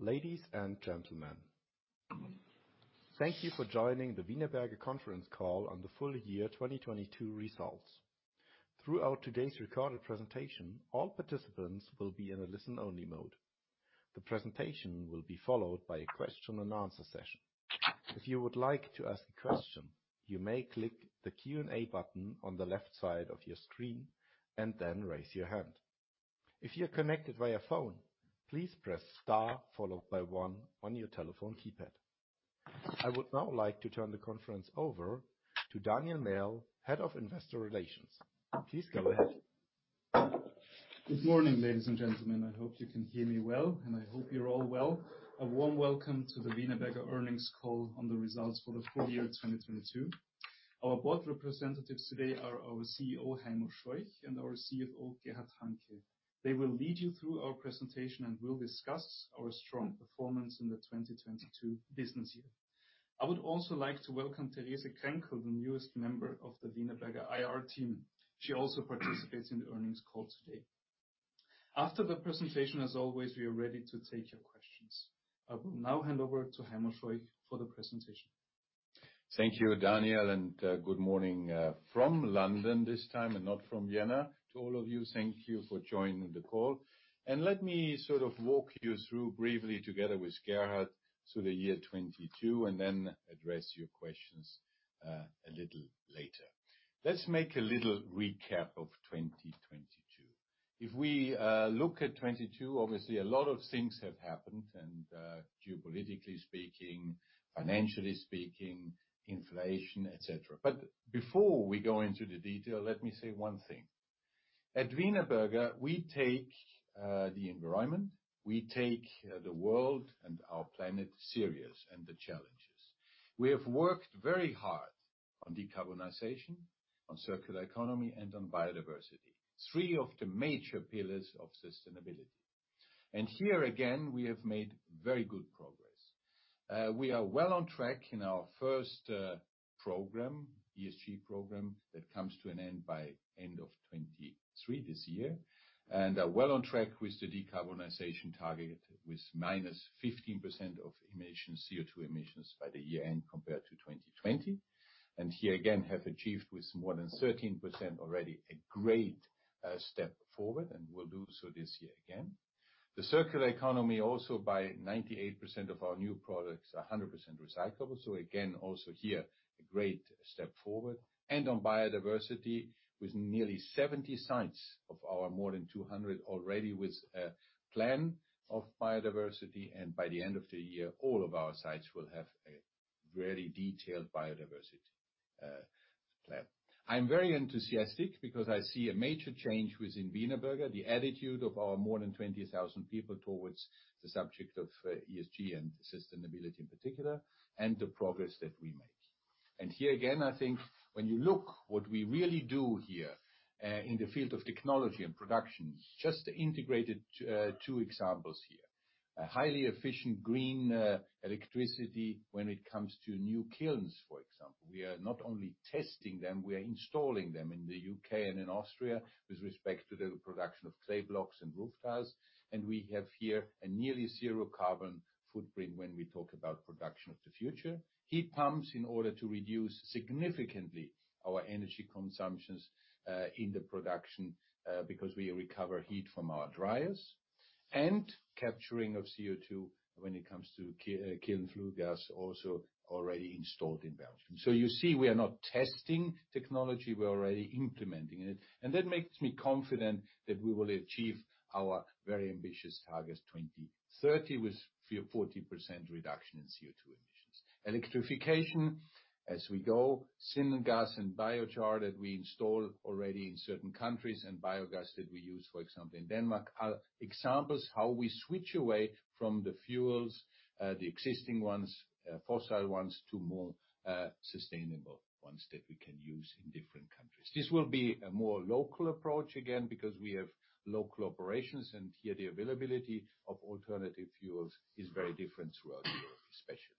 Ladies and gentlemen, thank you for joining the Wienerberger conference call on the full year 2022 results. Throughout today's recorded presentation, all participants will be in a listen-only mode. The presentation will be followed by a question-and-answer session. If you would like to ask a question, you may click the Q&A button on the left side of your screen and then raise your hand. If you're connected via phone, please press star followed by one on your telephone keypad. I would now like to turn the conference over to Daniel Merl, Head of Investor Relations. Please go ahead. Good morning, ladies and gentlemen. I hope you can hear me well, and I hope you're all well. A warm welcome to the Wienerberger earnings call on the results for the full year 2022. Our board representatives today are our CEO, Heimo Scheuch, and our CFO, Gerhard Hanke. They will lead you through our presentation and will discuss our strong performance in the 2022 business year. I would also like to welcome Therese Krenkel, the newest member of the Wienerberger IR team. She also participates in the earnings call today. After the presentation, as always, we are ready to take your questions. I will now hand over to Heimo Scheuch for the presentation. Thank you, Daniel, and good morning from London this time and not from Vienna. To all of you, thank you for joining the call. Let me sort of walk you through briefly together with Gerhard through the year 22 and then address your questions a little later. Let's make a little recap of 2022. If we look at 2022, obviously a lot of things have happened, and geopolitically speaking, financially speaking, inflation, et cetera. Before we go into the detail, let me say one thing. At Wienerberger, we take the environment, we take the world and our planet serious and the challenges. We have worked very hard on decarbonization, on circular economy, and on biodiversity, three of the major pillars of sustainability. Here again, we have made very good progress. We are well on track in our first program, ESG program, that comes to an end by end of 2023, this year. Are well on track with the decarbonization target, with minus 15% of emission, CO2 emissions by the year-end compared to 2020. Here again, have achieved with more than 13% already a great step forward, and we'll do so this year again. The circular economy also by 98% of our new products are 100% recyclable, so again, also here a great step forward. On biodiversity with nearly 70 sites of our more than 200 already with a plan of biodiversity, and by the end of the year, all of our sites will have a very detailed biodiversity plan. I'm very enthusiastic because I see a major change within Wienerberger, the attitude of our more than 20,000 people towards the subject of ESG and sustainability in particular, and the progress that we make. Here again, I think when you look what we really do here, in the field of technology and production, just integrated two examples here. A highly efficient green electricity when it comes to new kilns, for example. We are not only testing them, we are installing them in the UK and in Austria with respect to the production of clay blocks and roof tiles. We have here a nearly zero carbon footprint when we talk about production of the future. Heat pumps in order to reduce significantly our energy consumptions, in the production, because we recover heat from our dryers. Capturing of CO2 when it comes to kiln flue gas also already installed in Belgium. You see, we are not testing technology, we're already implementing it. That makes me confident that we will achieve our very ambitious targets 2030 with 40% reduction in CO2 emissions. Electrification as we go, syngas and biochar that we install already in certain countries and biogas that we use, for example, in Denmark, are examples how we switch away from the fuels, the existing ones, fossil ones, to more sustainable ones that we can use in different countries. This will be a more local approach again because we have local operations, and here the availability of alternative fuels is very different throughout Europe, especially.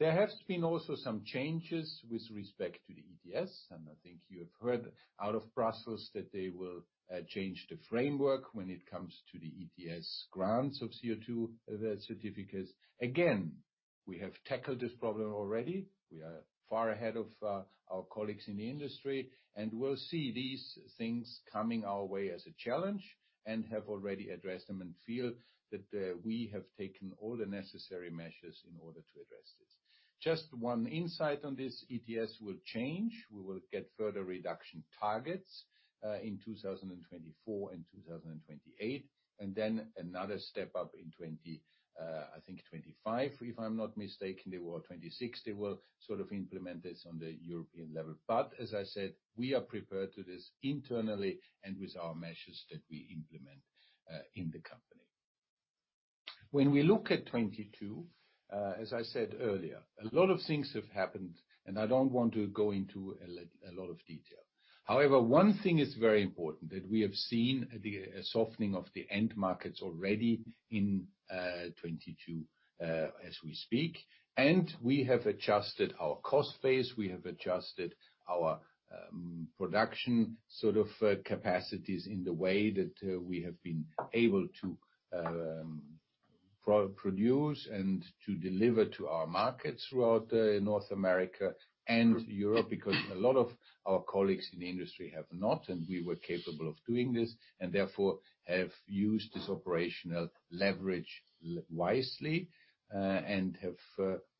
There has been also some changes with respect to the ETS, and I think you have heard out of Brussels that they will change the framework when it comes to the ETS grants of CO2 certificates. Again, we have tackled this problem already. We are far ahead of our colleagues in the industry, and we'll see these things coming our way as a challenge and have already addressed them and feel that we have taken all the necessary measures in order to address this. Just one insight on this ETS will change. We will get further reduction targets in 2024 and 2028, and then another step up in 25, if I'm not mistaken, or 2026, they will sort of implement this on the European level. As I said, we are prepared to this internally and with our measures that we implement in the company. When we look at 2022, as I said earlier, a lot of things have happened, and I don't want to go into a lot of detail. However, one thing is very important, that we have seen a softening of the end markets already in 2022, as we speak. We have adjusted our cost base, we have adjusted our production sort of capacities in the way that we have been able to produce and to deliver to our markets throughout North America and Europe, because a lot of our colleagues in the industry have not, and we were capable of doing this, and therefore have used this operational leverage wisely, and have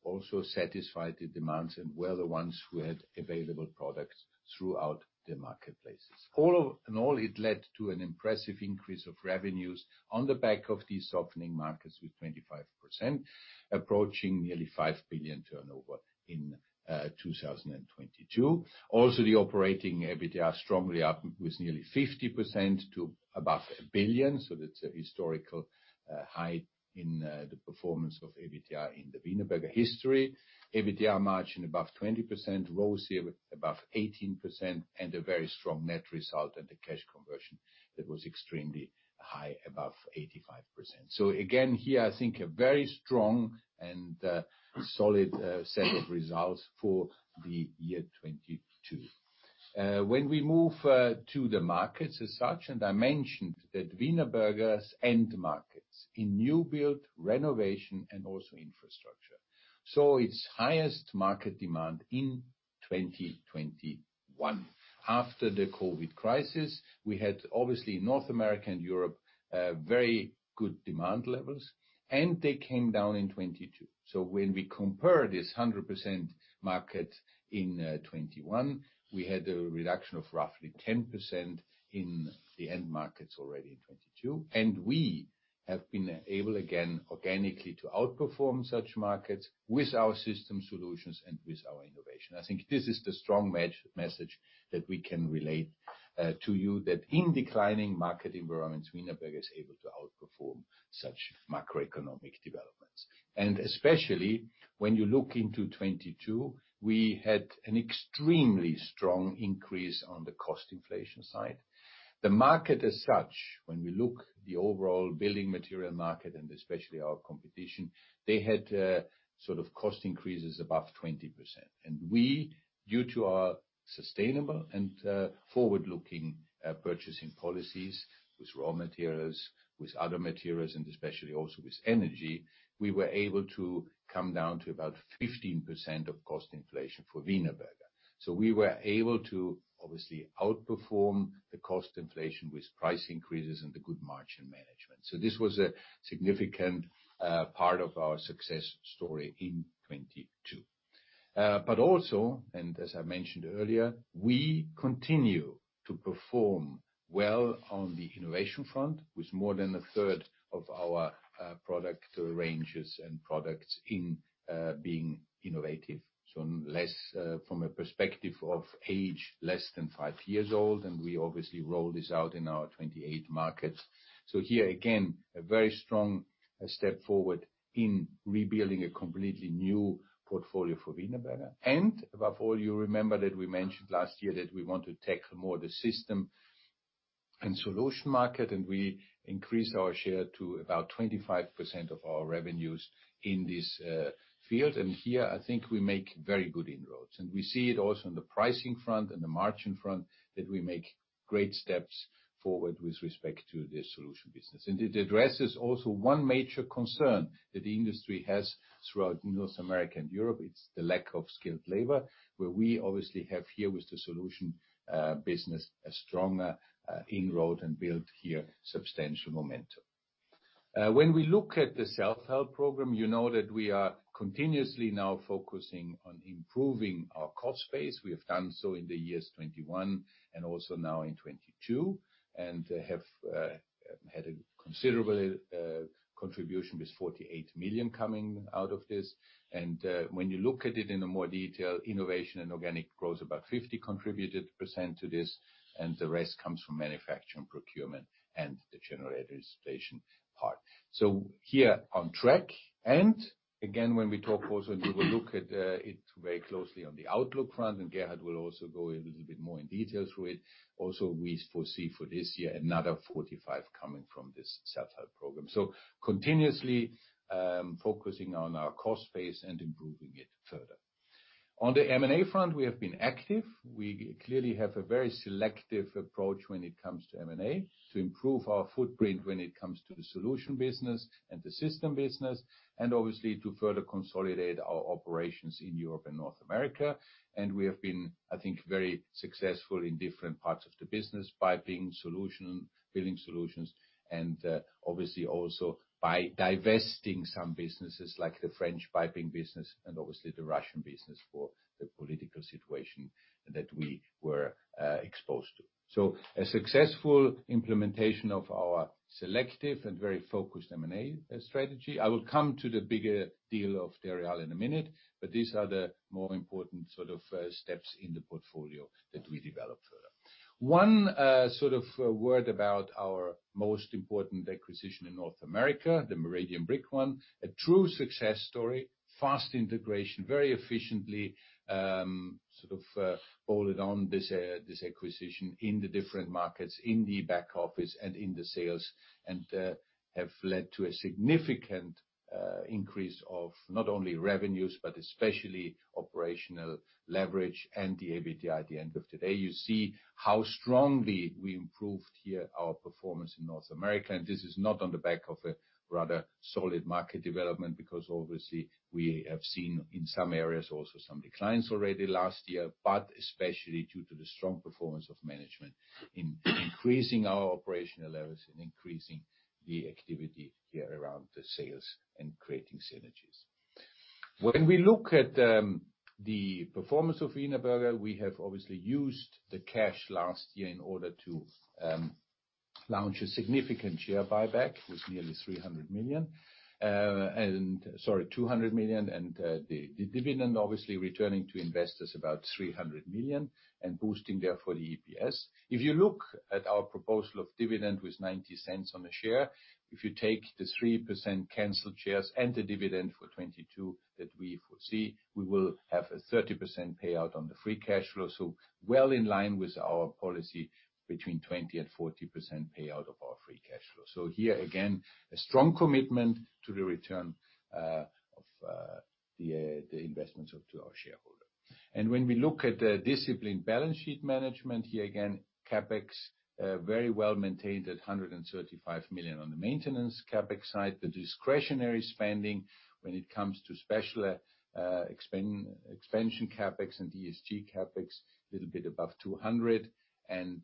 also satisfied the demands and were the ones who had available products throughout the marketplaces. All in all, it led to an impressive increase of revenues on the back of these softening markets with 25%, approaching nearly 5 billion turnover in 2022. The operating EBITDA strongly up with nearly 50% to above 1 billion. That's a historical high in the performance of EBITDA in the Wienerberger history. EBITDA margin above 20%, ROACE above 18%, and a very strong net result and the cash conversion that was extremely high, above 85%. Again, here, I think a very strong and solid set of results for the year 2022. When we move to the markets as such, I mentioned that Wienerberger's end markets in new build, renovation and also infrastructure, saw its highest market demand in 2021. After the COVID crisis, we had obviously North America and Europe, very good demand levels, they came down in 2022. When we compare this 100% market in 2021, we had a reduction of roughly 10% in the end markets already in 2022. We have been able, again, organically to outperform such markets with our system solutions and with our innovation. I think this is the strong message that we can relate to you, that in declining market environments, Wienerberger is able to outperform such macroeconomic developments. Especially when you look into 2022, we had an extremely strong increase on the cost inflation side. The market as such, when we look the overall building material market and especially our competition, they had sort of cost increases above 20%. We, due to our sustainable and forward-looking purchasing policies with raw materials, with other materials, and especially also with energy, we were able to come down to about 15% of cost inflation for Wienerberger. We were able to, obviously, outperform the cost inflation with price increases and the good margin management. This was a significant part of our success story in 2022. Also, and as I mentioned earlier, we continue to perform well on the innovation front with more than a third of our product ranges and products in being innovative. Less from a perspective of age, less than 5 years old. We obviously roll this out in our 28 markets. Here again, a very strong step forward in rebuilding a completely new portfolio for Wienerberger. Above all, you remember that we mentioned last year that we want to tackle more the system and solution market, and we increased our share to about 25% of our revenues in this field. Here, I think we make very good inroads. We see it also in the pricing front and the margin front, that we make great steps forward with respect to the solution business. It addresses also one major concern that the industry has throughout North America and Europe. It's the lack of skilled labor, where we obviously have here with the solution business, a strong in-road and built here substantial momentum. When we look at the self-help program, you know that we are continuously now focusing on improving our cost base. We have done so in the years 2021 and also now in 2022, and have had a considerable contribution with 48 million coming out of this. When you look at it in a more detail, innovation and organic growth, about 50 contributed % to this, and the rest comes from manufacturing, procurement, and the general administration part. Here on track, and again, when we talk also, and we will look at it very closely on the outlook front, and Gerhard will also go a little bit more in detail through it. We foresee for this year another 45 coming from this self-help program. Continuously focusing on our cost base and improving it further. On the M&A front, we have been active. We clearly have a very selective approach when it comes to M&A to improve our footprint when it comes to the solution business and the system business, and obviously to further consolidate our operations in Europe and North America. We have been, I think, very successful in different parts of the business, piping solution, building solutions, and obviously also by divesting some businesses like the French piping business and obviously the Russian business for the political situation that we were exposed to. A successful implementation of our selective and very focused M&A strategy. I will come to the bigger deal of Terreal in a minute, but these are the more important sort of steps in the portfolio that we develop further. One sort of word about our most important acquisition in North America, the Meridian Brick one. A true success story, fast integration, very efficiently, sort of folded on this acquisition in the different markets, in the back office and in the sales, and have led to a significant increase of not only revenues, but especially operational leverage and the EBITDA at the end of today. You see how strongly we improved here our performance in North America, and this is not on the back of a rather solid market development because obviously we have seen in some areas also some declines already last year, but especially due to the strong performance of management in increasing our operational levels and increasing the activity here around the sales and creating synergies. When we look at the performance of Wienerberger, we have obviously used the cash last year in order to launch a significant share buyback with nearly 300 million. Sorry, 200 million, the dividend obviously returning to investors about 300 million and boosting therefore the EPS. If you look at our proposal of dividend with 0.90 on a share, if you take the 3% canceled shares and the dividend for 2022 that we foresee, we will have a 30% payout on the free cash flow, so well in line with our policy between 20% and 40% payout of our free cash flow. Here again, a strong commitment to the return of the investments to our shareholder. When we look at the disciplined balance sheet management, here again, CapEx very well maintained at 135 million on the maintenance CapEx side. The discretionary spending when it comes to special expansion CapEx and ESG CapEx, little bit above 200 million.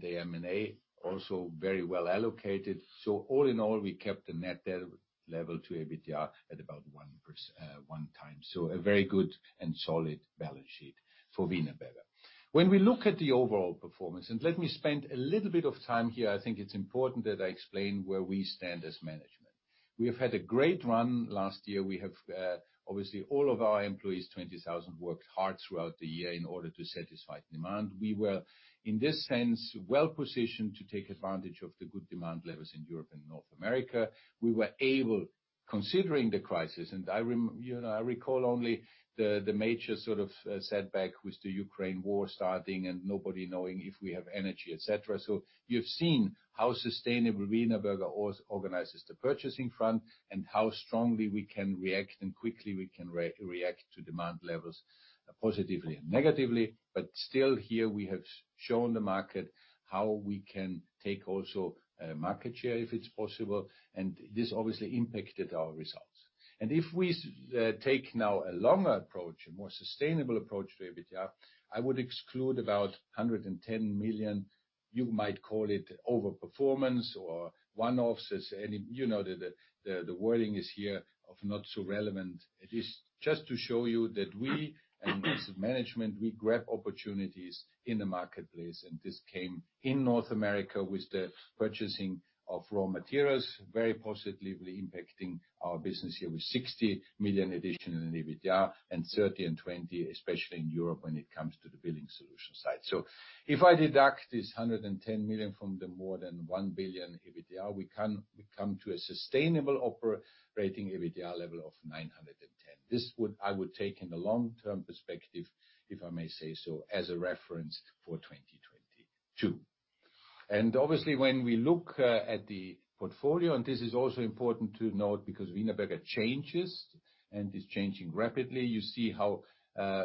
The M&A also very well allocated. All in all, we kept the net debt level to EBITDA at about 1 time. A very good and solid balance sheet for Wienerberger. When we look at the overall performance, and let me spend a little bit of time here. I think it's important that I explain where we stand as management. We have had a great run last year. We have, obviously all of our employees, 20,000, worked hard throughout the year in order to satisfy demand. We were, in this sense, well-positioned to take advantage of the good demand levels in Europe and North America. We were able, considering the crisis, and I, you know, I recall only the major sort of setback with the Ukraine war starting and nobody knowing if we have energy, et cetera. You've seen how sustainable Wienerberger organizes the purchasing front and how strongly we can react and quickly we can re-react to demand levels, positively and negatively. Still here we have shown the market how we can take also market share if it's possible, and this obviously impacted our results. If we take now a longer approach, a more sustainable approach to EBITDA, I would exclude about 110 million. You might call it over-performance or one-offs. You know, the wording is here of not so relevant. It is just to show you that we, as management, we grab opportunities in the marketplace. This came in North America with the purchasing of raw materials, very positively impacting our business here with 60 million additional in EBITDA and 30 and 20, especially in Europe when it comes to the Building Solutions side. If I deduct this 110 million from the more than 1 billion EBITDA, we come to a sustainable operating EBITDA level of 910. I would take in the long-term perspective, if I may say so, as a reference for 2022. Obviously, when we look at the portfolio, and this is also important to note because Wienerberger changes and is changing rapidly. You see how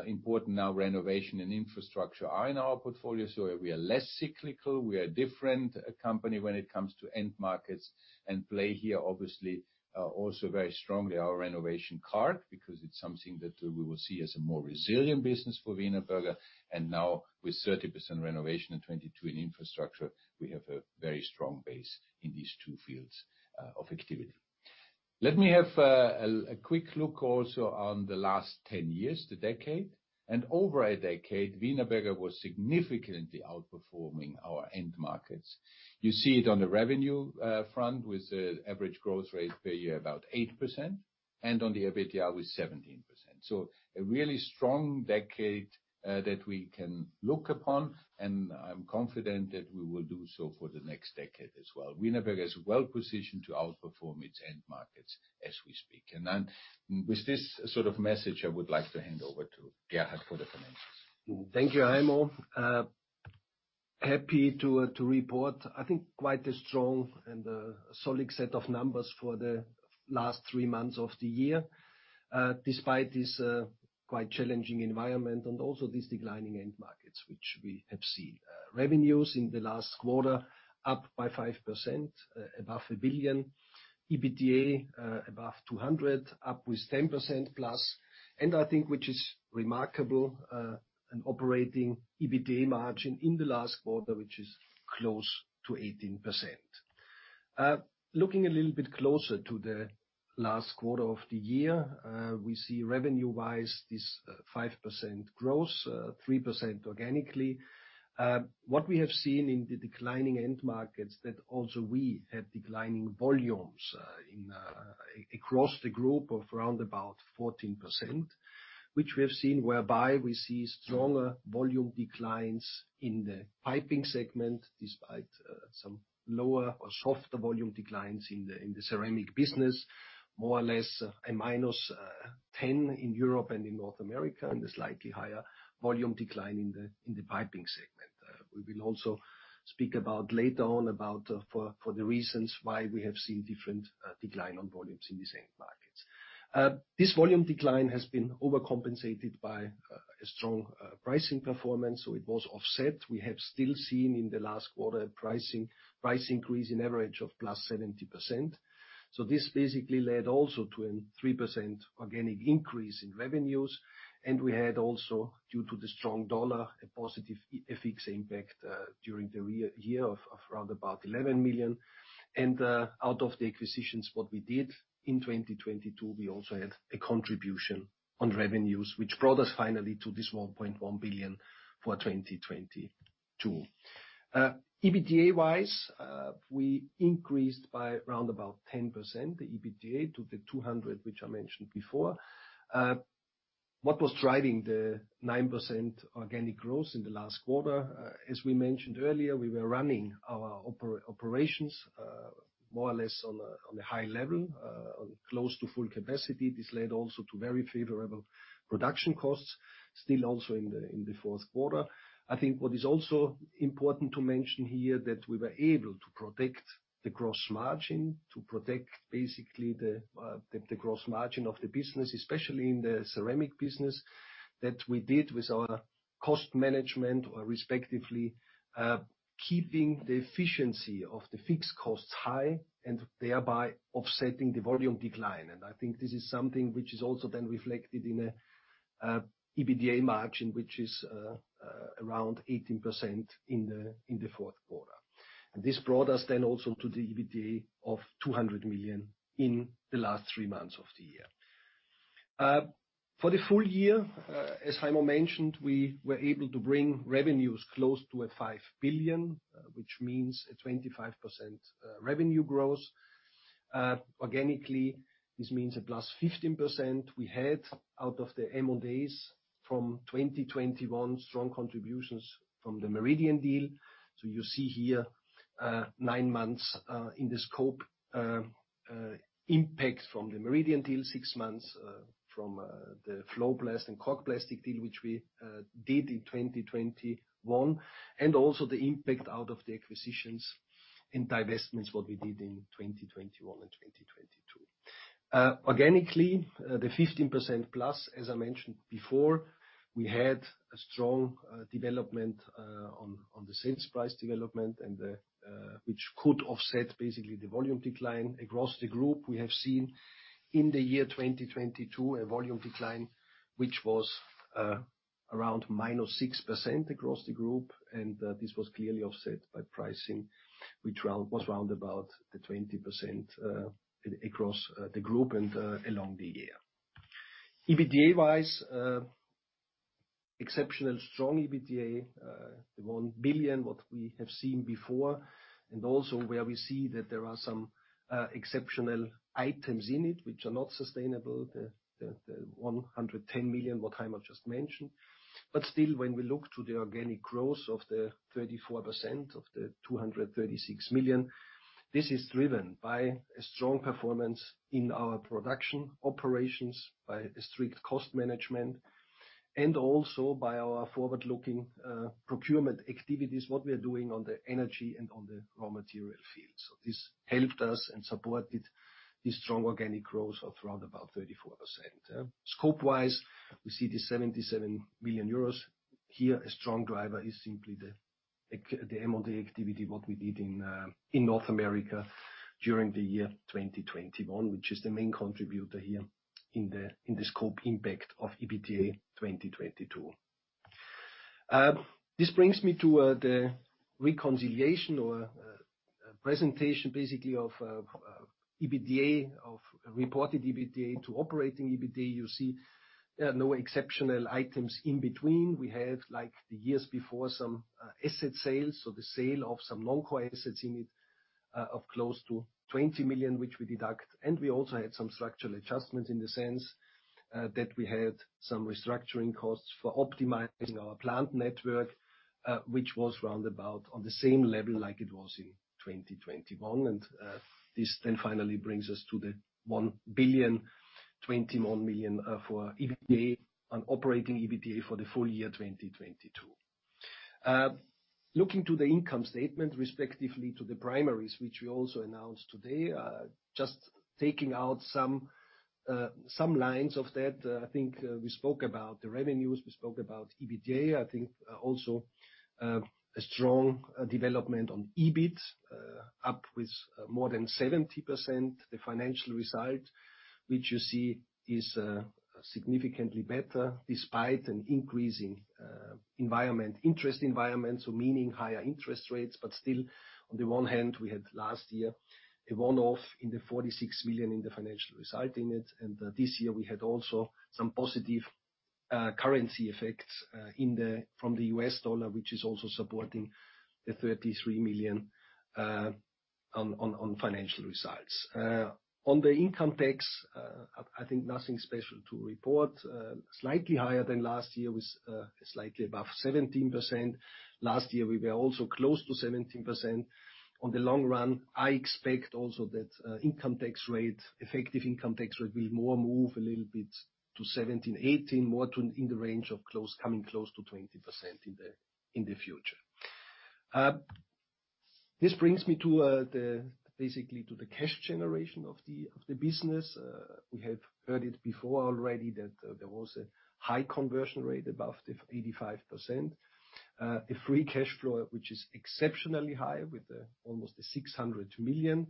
important now renovation and infrastructure are in our portfolio. We are less cyclical. We are a different company when it comes to end markets and play here, obviously, also very strongly our renovation card because it's something that we will see as a more resilient business for Wienerberger. Now with 30% renovation and 22% in infrastructure, we have a very strong base in these two fields of activity. Let me have a quick look also on the last 10 years, the decade. Over a decade, Wienerberger was significantly outperforming our end markets. You see it on the revenue front with the average growth rate per year about 8%, and on the EBITDA with 17%. A really strong decade that we can look upon, and I'm confident that we will do so for the next decade as well. Wienerberger is well-positioned to outperform its end markets as we speak. With this sort of message, I would like to hand over to Gerhard for the financials. Thank you, Heimo. Happy to report, I think, quite a strong and a solid set of numbers for the last three months of the year, despite this quite challenging environment and also these declining end markets, which we have seen. Revenues in the last quarter up by 5%, above 1 billion. EBITDA, above 200 million, up with 10%+. I think, which is remarkable, an operating EBITDA margin in the last quarter, which is close to 18%. Looking a little bit closer to the last quarter of the year, we see revenue-wise, this 5% growth, 3% organically. What we have seen in the declining end markets that also we have declining volumes across the group of around about 14%, which we have seen whereby we see stronger volume declines in the piping segment despite some lower or softer volume declines in the ceramic business, more or less a -10% in Europe and in North America, and a slightly higher volume decline in the piping segment. We will also speak about later on about for the reasons why we have seen different decline on volumes in the same markets. This volume decline has been overcompensated by a strong pricing performance, so it was offset. We have still seen in the last quarter pricing, price increase in average of +70%. This basically led also to a 3% organic increase in revenues. We had also, due to the strong dollar, a positive FX impact during the year of around 11 million. Out of the acquisitions, what we did in 2022, we also had a contribution on revenues, which brought us finally to this 1.1 billion for 2022. EBITDA-wise, we increased by around 10% the EBITDA to the 200 million, which I mentioned before. What was driving the 9% organic growth in the last quarter? As we mentioned earlier, we were running our operations more or less on a high level, on close to full capacity. This led also to very favorable production costs, still also in the fourth quarter. I think what is also important to mention here that we were able to protect the gross margin, to protect basically the gross margin of the business, especially in the ceramic business, that we did with our cost management or respectively, keeping the efficiency of the fixed costs high and thereby offsetting the volume decline. I think this is something which is also then reflected in a EBITDA margin, which is around 18% in the fourth quarter. This brought us then also to the EBITDA of 200 million in the last three months of the year. For the full year, as Heimo mentioned, we were able to bring revenues close to 5 billion, which means a 25% revenue growth. Organically, this means a plus 15% we had out of the M&As from 2021, strong contributions from the Meridian deal. You see here, 9 months in the scope impact from the Meridian deal, 6 months from the Flowplast and Cork Plastics deal, which we did in 2021, and also the impact out of the acquisitions and divestments, what we did in 2021 and 2022. Organically, the 15% plus, as I mentioned before, we had a strong development on the sales price development and the which could offset basically the volume decline across the group. We have seen in the year 2022 a volume decline which was around -6% across the group. This was clearly offset by pricing, which was round about the 20% across the group and along the year. EBITDA-wise, exceptional strong EBITDA, the 1 billion, what we have seen before, and also where we see that there are some exceptional items in it which are not sustainable, the 110 million, what Heimo just mentioned. Still, when we look to the organic growth of the 34% of the 236 million, this is driven by a strong performance in our production operations, by a strict cost management, and also by our forward-looking procurement activities, what we are doing on the energy and on the raw material field. This helped us and supported the strong organic growth of round about 34%. Scope-wise, we see the 77 million euros. Here, a strong driver is simply the M&A activity, what we did in North America during the year 2021, which is the main contributor here in the scope impact of EBITDA 2022. This brings me to the reconciliation or presentation basically of EBITDA, of reported EBITDA to operating EBITDA. You see no exceptional items in between. We had, like the years before, some asset sales, so the sale of some non-core assets in it, of close to 20 million, which we deduct. We also had some structural adjustments in the sense that we had some restructuring costs for optimizing our plant network, which was round about on the same level like it was in 2021. This then finally brings us to the 1.021 billion for EBITDA and operating EBITDA for the full year 2022. Looking to the income statement respectively to the primaries, which we also announced today, just taking out some lines of that, I think we spoke about the revenues, we spoke about EBITDA. I think also a strong development on EBIT, up with more than 70%. The financial result, which you see is significantly better despite an increasing environment, interest environment, so meaning higher interest rates. Still, on the one hand, we had last year a one-off in the 46 million in the financial result in it. This year, we had also some positive currency effects in the, from the US dollar, which is also supporting the $33 million on financial results. On the income tax, I think nothing special to report. Slightly higher than last year with slightly above 17%. Last year, we were also close to 17%. On the long run, I expect also that income tax rate, effective income tax rate will more move a little bit to 17%, 18%, more to in the range of close, coming close to 20% in the future. This brings me to basically to the cash generation of the business. We have heard it before already that there was a high conversion rate, above the 85%. The free cash flow, which is exceptionally high with almost 600 million,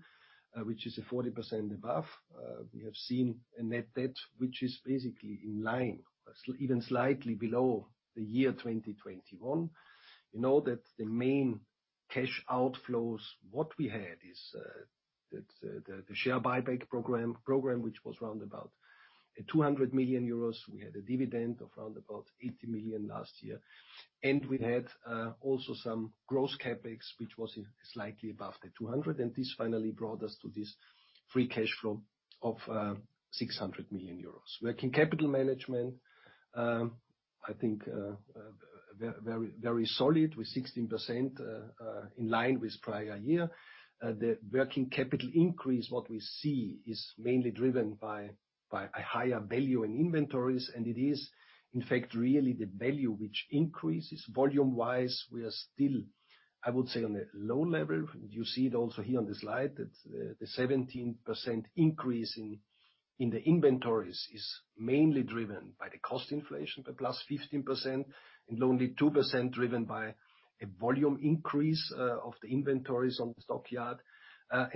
which is 40% above. We have seen a net debt which is basically in line or even slightly below the year 2021. You know that the main cash outflows, what we had is the share buyback program, which was around about 200 million euros. We had a dividend of around about 80 million last year. We had also some gross CapEx, which was slightly above 200. This finally brought us to this free cash flow of 600 million euros. Working capital management, I think, very, very solid with 16% in line with prior year. The working capital increase, what we see is mainly driven by a higher value in inventories. It is, in fact, really the value which increases. Volume-wise, we are still, I would say, on a low level. You see it also here on the slide that the 17% increase in the inventories is mainly driven by the cost inflation, plus 15%, only 2% driven by a volume increase of the inventories on the stockyard.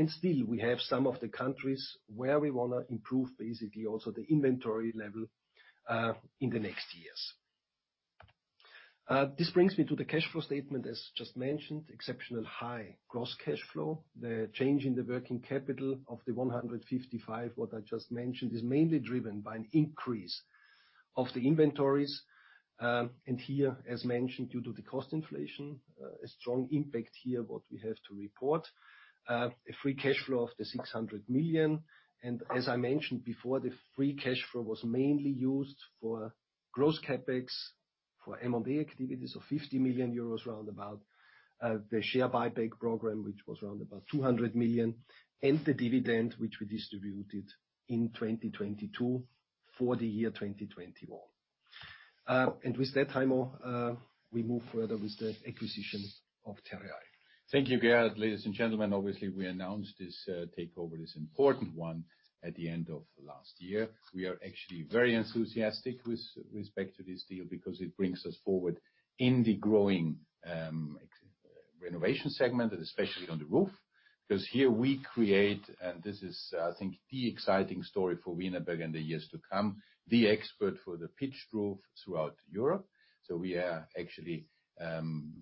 Still we have some of the countries where we wanna improve basically also the inventory level in the next years. This brings me to the cash flow statement, as just mentioned, exceptional high gross cash flow. The change in the working capital of the 155, what I just mentioned, is mainly driven by an increase of the inventories. Here, as mentioned, due to the cost inflation, a strong impact here, what we have to report. A free cash flow of 600 million. As I mentioned before, the free cash flow was mainly used for gross CapEx, for M&A activities of 50 million euros round about, the share buyback program, which was round about 200 million, and the dividend, which we distributed in 2022 for the year 2021. With that, Heimo, we move further with the acquisition of Terreal. Thank you, Gerhard. Ladies and gentlemen, obviously, we announced this takeover, this important one, at the end of last year. We are actually very enthusiastic with respect to this deal because it brings us forward in the growing renovation segment, and especially on the roof. 'Cause here we create, and this is, I think, the exciting story for Wienerberger in the years to come, the expert for the pitched roof throughout Europe. We are actually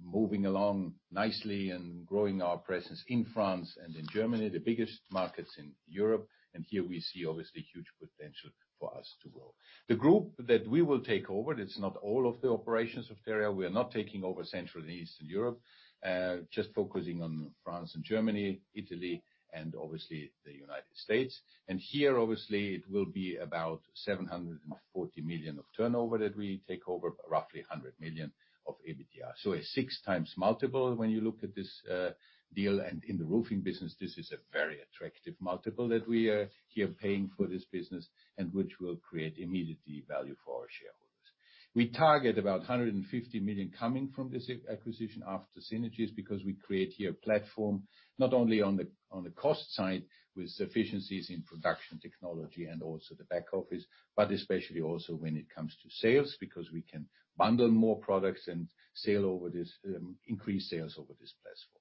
moving along nicely and growing our presence in France and in Germany, the biggest markets in Europe. Here we see obviously huge potential for us to grow. The group that we will take over, it's not all of the operations of Terreal. We are not taking over Central and Eastern Europe, just focusing on France and Germany, Italy, and obviously the United States. Here, obviously, it will be about 740 million of turnover that we take over, roughly 100 million of EBITDA. A 6x multiple when you look at this deal. In the roofing business, this is a very attractive multiple that we are here paying for this business and which will create immediately value for our shareholders. We target about 150 million coming from this acquisition after synergies, because we create here a platform, not only on the, on the cost side with efficiencies in production technology and also the back office, but especially also when it comes to sales, because we can bundle more products and sell over this, increase sales over this platform.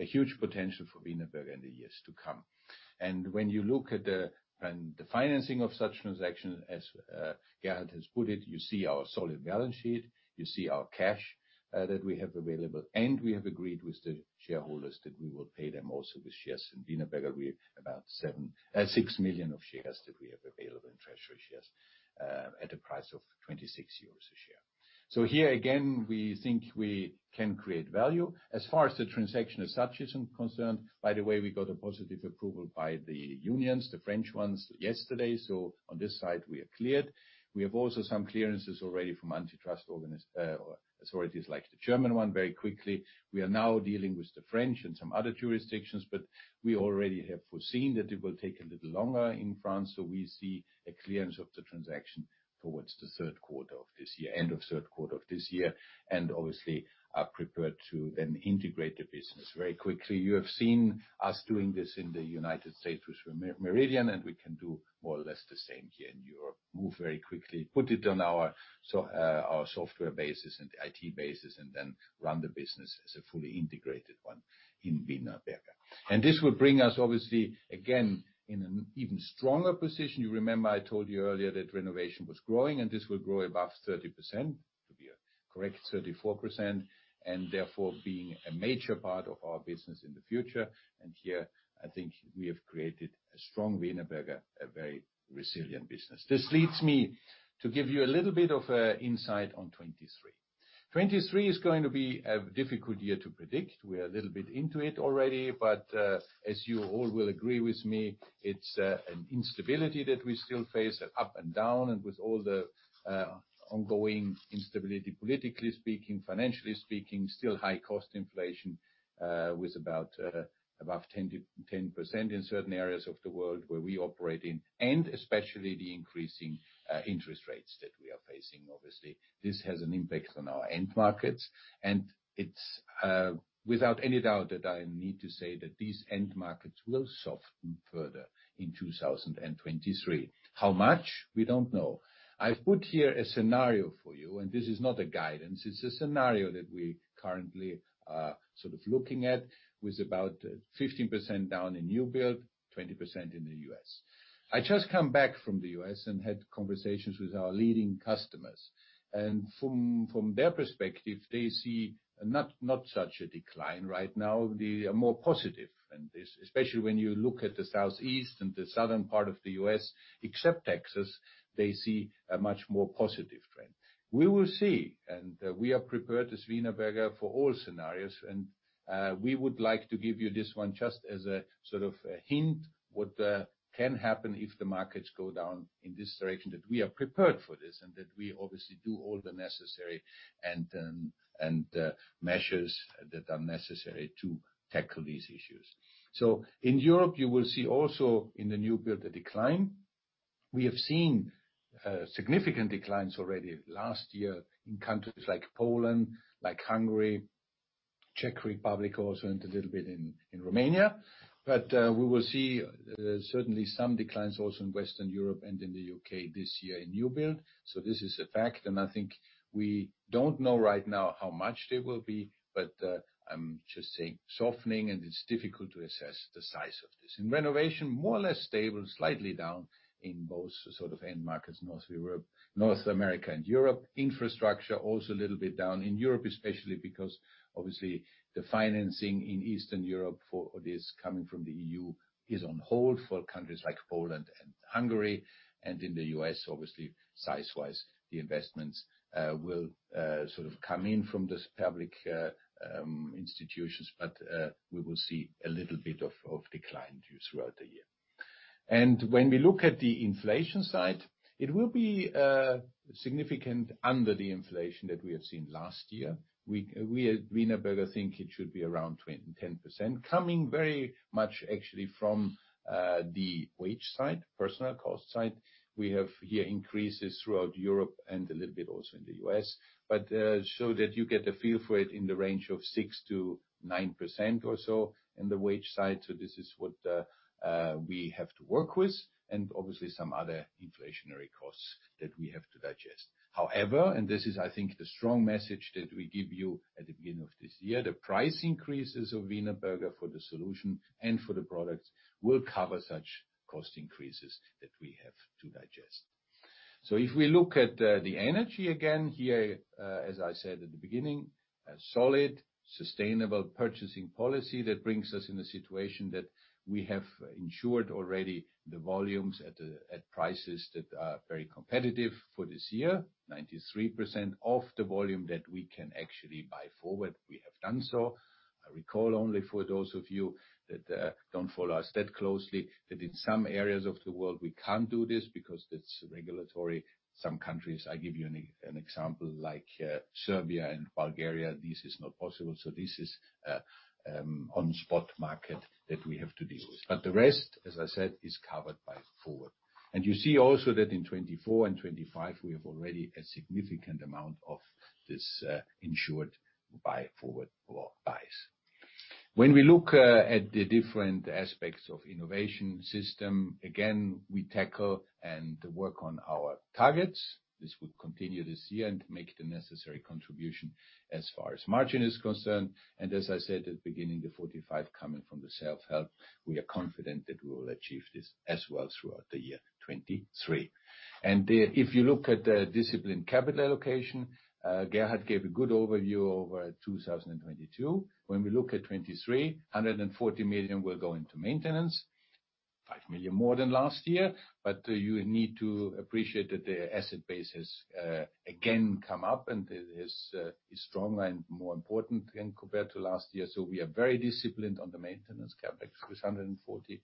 A huge potential for Wienerberger in the years to come. When you look at the financing of such transaction, as Gerhard has put it, you see our solid balance sheet, you see our cash that we have available, we have agreed with the shareholders that we will pay them also with shares. In Wienerberger, we have about 6 million of shares that we have available in treasury shares, at a price of 26 euros a share. Here again, we think we can create value. As far as the transaction as such is concerned, by the way, we got a positive approval by the unions, the French ones yesterday. On this side, we are cleared. We have also some clearances already from antitrust authorities like the German one, very quickly. We are now dealing with the French and some other jurisdictions. We already have foreseen that it will take a little longer in France. We see a clearance of the transaction towards the third quarter of this year, end of third quarter of this year. Obviously are prepared to then integrate the business very quickly. You have seen us doing this in the United States with Meridian. We can do more or less the same here in Europe. Move very quickly, put it on our software bases and IT bases. Then run the business as a fully integrated one in Wienerberger. This will bring us, obviously, again, in an even stronger position. You remember I told you earlier that renovation was growing. This will grow above 30%. To be correct, 34%, therefore being a major part of our business in the future. Here, I think we have created a strong Wienerberger, a very resilient business. This leads me to give you a little bit of a insight on 2023. 2023 is going to be a difficult year to predict. We are a little bit into it already, as you all will agree with me, it's an instability that we still face, an up and down, with all the ongoing instability, politically speaking, financially speaking, still high cost inflation, above 10% in certain areas of the world where we operate in, and especially the increasing interest rates that we are facing, obviously. This has an impact on our end markets, and it's without any doubt that I need to say that these end markets will soften further in 2023. How much? We don't know. I've put here a scenario for you, and this is not a guidance. It's a scenario that we currently are sort of looking at with about 15% down in new build, 20% in the US. I just come back from the US and had conversations with our leading customers. From their perspective, they see not such a decline right now. They are more positive in this, especially when you look at the Southeast and the Southern part of the US, except Texas, they see a much more positive trend. We will see, and we are prepared as Wienerberger for all scenarios. We would like to give you this one just as a sort of a hint what can happen if the markets go down in this direction, that we are prepared for this and that we obviously do all the necessary and measures that are necessary to tackle these issues. In Europe, you will see also in the new build a decline. We have seen significant declines already last year in countries like Poland, like Hungary, Czech Republic, also, and a little bit in Romania. We will see certainly some declines also in Western Europe and in the UK this year in new build. This is a fact, and I think we don't know right now how much they will be, but I'm just saying softening, and it's difficult to assess the size of this. In renovation, more or less stable, slightly down in both sort of end markets, North America and Europe. Infrastructure, also a little bit down in Europe, especially because obviously the financing in Eastern Europe for this coming from the EU is on hold for countries like Poland and Hungary. In the US, obviously, size-wise, the investments will sort of come in from this public institutions, but we will see a little bit of decline too throughout the year. When we look at the inflation side, it will be significant under the inflation that we have seen last year. We at Wienerberger think it should be around 10%, coming very much actually from the wage side, personnel cost side. We have here increases throughout Europe and a little bit also in the US. So that you get a feel for it in the range of 6%-9% or so in the wage side. This is what we have to work with, and obviously some other inflationary costs that we have to digest. However, this is, I think, the strong message that we give you at the beginning of this year, the price increases of Wienerberger for the solution and for the products will cover such cost increases that we have to digest. If we look at the energy again, here, as I said at the beginning, a solid, sustainable purchasing policy that brings us in a situation that we have insured already the volumes at prices that are very competitive for this year, 93% of the volume that we can actually buy forward, we have done so. I recall only for those of you that don't follow us that closely, that in some areas of the world, we can't do this because it's regulatory. Some countries, I give you an example, like Serbia and Bulgaria, this is not possible. This is on spot market that we have to deal with. The rest, as I said, is covered by forward. You see also that in 2024 and 2025, we have already a significant amount of this insured buy forward or buys. When we look at the different aspects of innovation system, again, we tackle and work on our targets. This will continue this year and make the necessary contribution as far as margin is concerned. As I said at the beginning, the 45 coming from the self-help, we are confident that we will achieve this as well throughout the year 2023. If you look at the disciplined capital allocation, Gerhard gave a good overview over 2022. When we look at 2023, 140 million will go into maintenance, 5 million more than last year. You need to appreciate that the asset base has again come up, and it is stronger and more important again compared to last year. We are very disciplined on the maintenance CapEx with 140.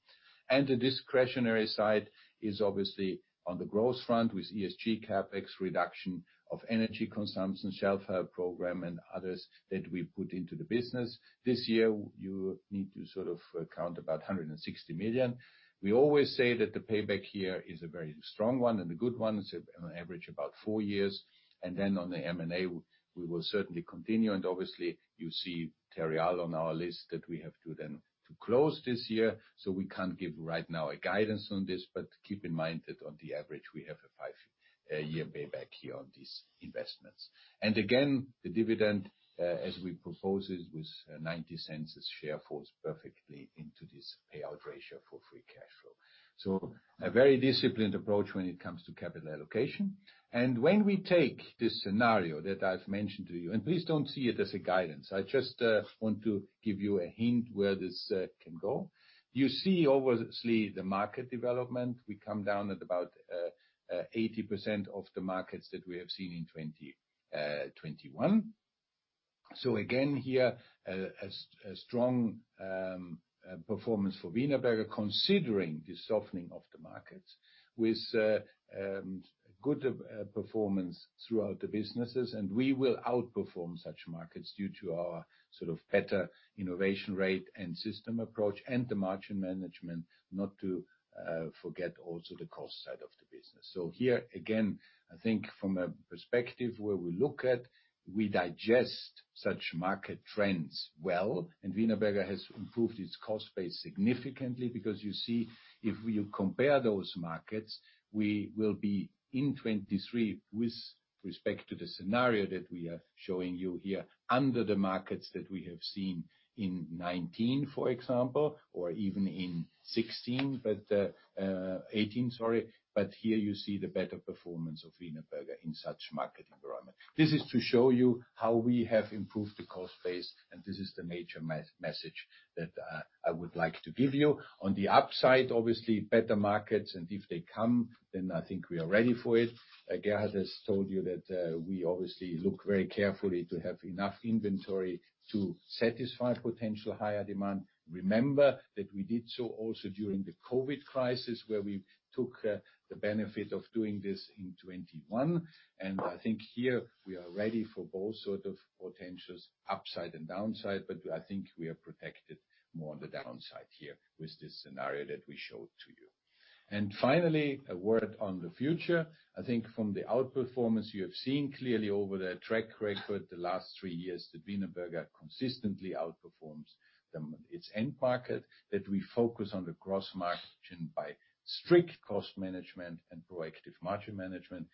The discretionary side is obviously on the growth front with ESG CapEx reduction of energy consumption, self-help program, and others that we put into the business. This year, you need to sort of count about 160 million. We always say that the payback here is a very strong one and a good one. It's on average about four years. Then on the M&A, we will certainly continue. Obviously, you see Terreal on our list that we have to then to close this year. We can't give right now a guidance on this, but keep in mind that on the average, we have a five year payback here on these investments. Again, the dividend as we propose it with 0.90 a share falls perfectly into this payout ratio for free cash flow. A very disciplined approach when it comes to capital allocation. When we take this scenario that I've mentioned to you, and please don't see it as a guidance, I just want to give you a hint where this can go. You see obviously the market development. We come down at about 80% of the markets that we have seen in 2021. Again, here, a strong performance for Wienerberger considering the softening of the markets with good performance throughout the businesses. We will outperform such markets due to our sort of better innovation rate and system approach and the margin management, not to forget also the cost side of the business. Here again, I think from a perspective where we look at, we digest such market trends well, and Wienerberger has improved its cost base significantly. You see, if you compare those markets, we will be in 2023 with respect to the scenario that we are showing you here, under the markets that we have seen in 2019, for example, or even in 2016. 18, sorry. Here you see the better performance of Wienerberger in such market environment. This is to show you how we have improved the cost base, and this is the major message that I would like to give you. On the upside, obviously, better markets, and if they come, then I think we are ready for it. Gerhard has told you that we obviously look very carefully to have enough inventory to satisfy potential higher demand. Remember that we did so also during the COVID crisis, where we took the benefit of doing this in 21, and I think here we are ready for both sort of potentials, upside and downside. I think we are protected more on the downside here with this scenario that we showed to you. Finally, a word on the future. I think from the outperformance you have seen clearly over the track record the last three years, that Wienerberger consistently outperforms the, its end market, that we focus on the gross margin by strict cost management and proactive margin management.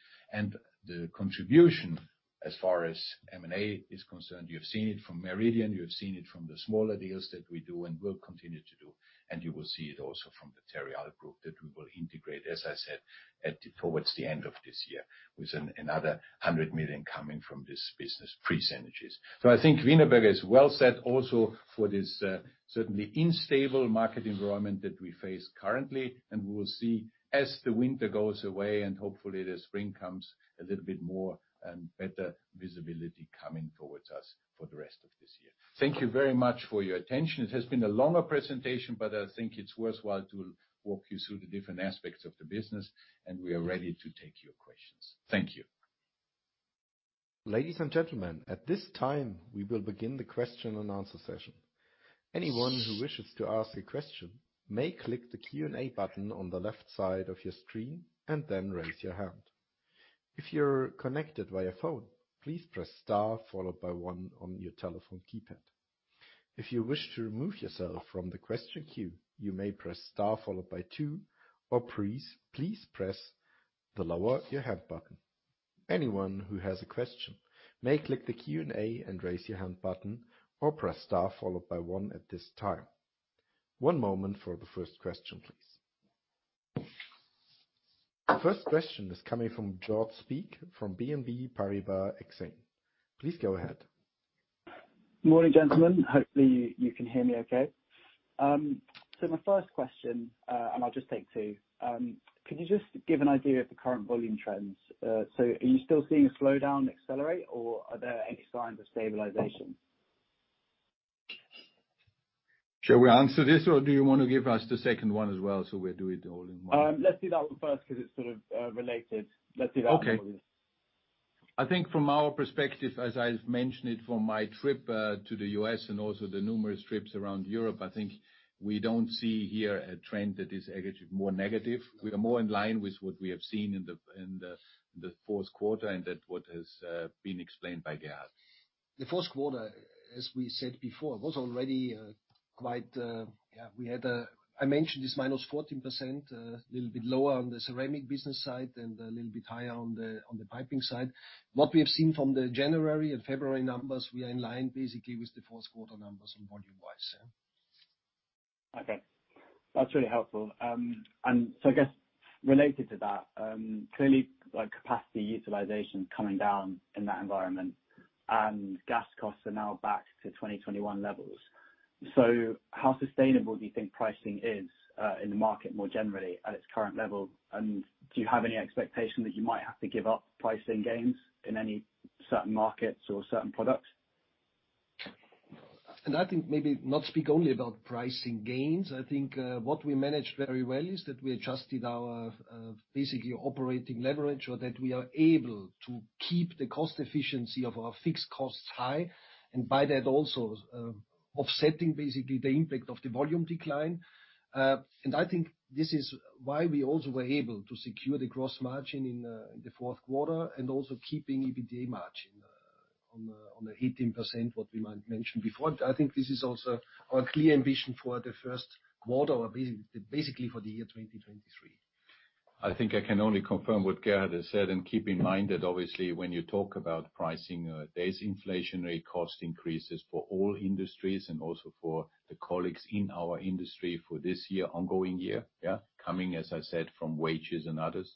The contribution as far as M&A is concerned, you have seen it from Meridian, you have seen it from the smaller deals that we do and will continue to do, and you will see it also from the Terreal group that we will integrate, as I said, towards the end of this year, with another 100 million coming from this business, pre-synergies. I think Wienerberger is well set also for this, certainly instable market environment that we face currently. We will see as the winter goes away, and hopefully the spring comes, a little bit more and better visibility coming towards us for the rest of this year. Thank you very much for your attention. It has been a longer presentation, but I think it's worthwhile to walk you through the different aspects of the business, and we are ready to take your questions. Thank you. Ladies and gentlemen, at this time, we will begin the question and answer session. Anyone who wishes to ask a question may click the Q&A button on the left side of your screen and then raise your hand. If you're connected via phone, please press star followed by one on your telephone keypad. If you wish to remove yourself from the question queue, you may press star followed by two, or please press the lower your hand button. Anyone who has a question may click the Q&A and raise your hand button or press star followed by one at this time. One moment for the first question, please. The first question is coming from George Clark from BNP Paribas Exane. Please go ahead. Morning, gentlemen. Hopefully you can hear me okay. My first question, I'll just take 2. Could you just give an idea of the current volume trends? Are you still seeing a slowdown accelerate, or are there any signs of stabilization? Shall we answer this, or do you wanna give us the second one as well, so we'll do it all in one? Let's do that one first 'cause it's sort of related. Let's do that one first. Okay. I think from our perspective, as I've mentioned it from my trip, to the US and also the numerous trips around Europe, I think we don't see here a trend that is more negative. We are more in line with what we have seen in the fourth quarter, and that what has been explained by Gerhard. The fourth quarter, as we said before, was already quite, we had, I mentioned it's minus 14%, little bit lower on the ceramic business side and a little bit higher on the piping side. What we have seen from the January and February numbers, we are in line basically with the fourth quarter numbers on volume-wise, yeah. Okay. That's really helpful. I guess related to that, clearly, like capacity utilization coming down in that environment and gas costs are now back to 2021 levels. How sustainable do you think pricing is in the market more generally at its current level? Do you have any expectation that you might have to give up pricing gains in any certain markets or certain products? I think maybe not speak only about pricing gains. I think what we managed very well is that we adjusted our basically operating leverage so that we are able to keep the cost efficiency of our fixed costs high, and by that also offsetting basically the impact of the volume decline. I think this is why we also were able to secure the gross margin in the fourth quarter and also keeping EBITDA margin on the 18% what we mentioned before. I think this is also our clear ambition for the first quarter or basically for the year 2023. I think I can only confirm what Gerhard has said, and keep in mind that obviously when you talk about pricing, there is inflationary cost increases for all industries and also for the colleagues in our industry for this year, ongoing year, yeah, coming, as I said, from wages and others.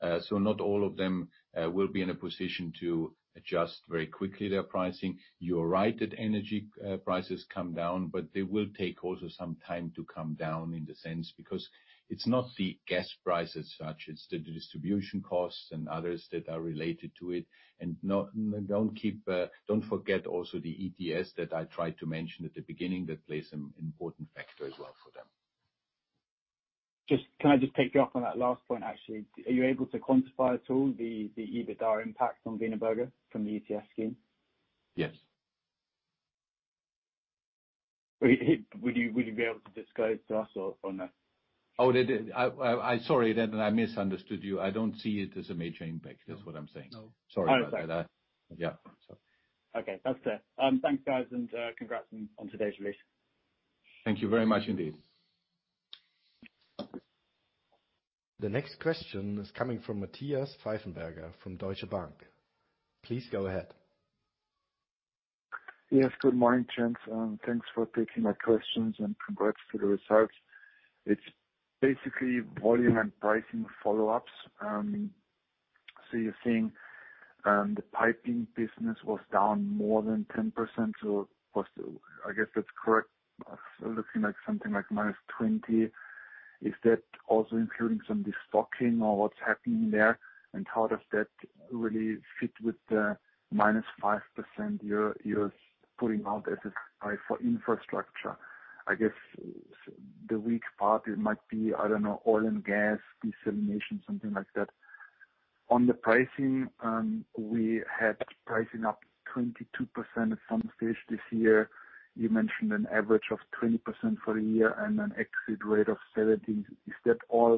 Not all of them will be in a position to adjust very quickly their pricing. You're right that energy prices come down, but they will take also some time to come down in the sense because it's not the gas price as such, it's the distribution costs and others that are related to it. Don't keep, don't forget also the ETS that I tried to mention at the beginning that plays an important factor as well for them. Can I just take you up on that last point, actually? Are you able to quantify at all the EBITDA impact on Wienerberger from the ETS scheme? Yes. Would you be able to disclose to us or no? Oh, the... sorry, then I misunderstood you. I don't see it as a major impact. That's what I'm saying. No. Sorry about that. All right. Yeah. Okay, that's fair. Thanks, guys, congrats on today's release. Thank you very much indeed. The next question is coming from Matthias Pfeifenberger from Deutsche Bank. Please go ahead. Yes, good morning, gents, and thanks for taking my questions, and congrats to the results. It's basically volume and pricing follow-ups. You're saying the piping business was down more than 10% or I guess that's correct. Looking like something like -20%. Is that also including some destocking or what's happening there? How does that really fit with the -5% you're putting out as a guide for infrastructure? I guess the weak part, it might be, I don't know, oil and gas, desalination, something like that. On the pricing, we had pricing up 22% at Pipelife this year. You mentioned an average of 20% for the year and an exit rate of 17%. Is that all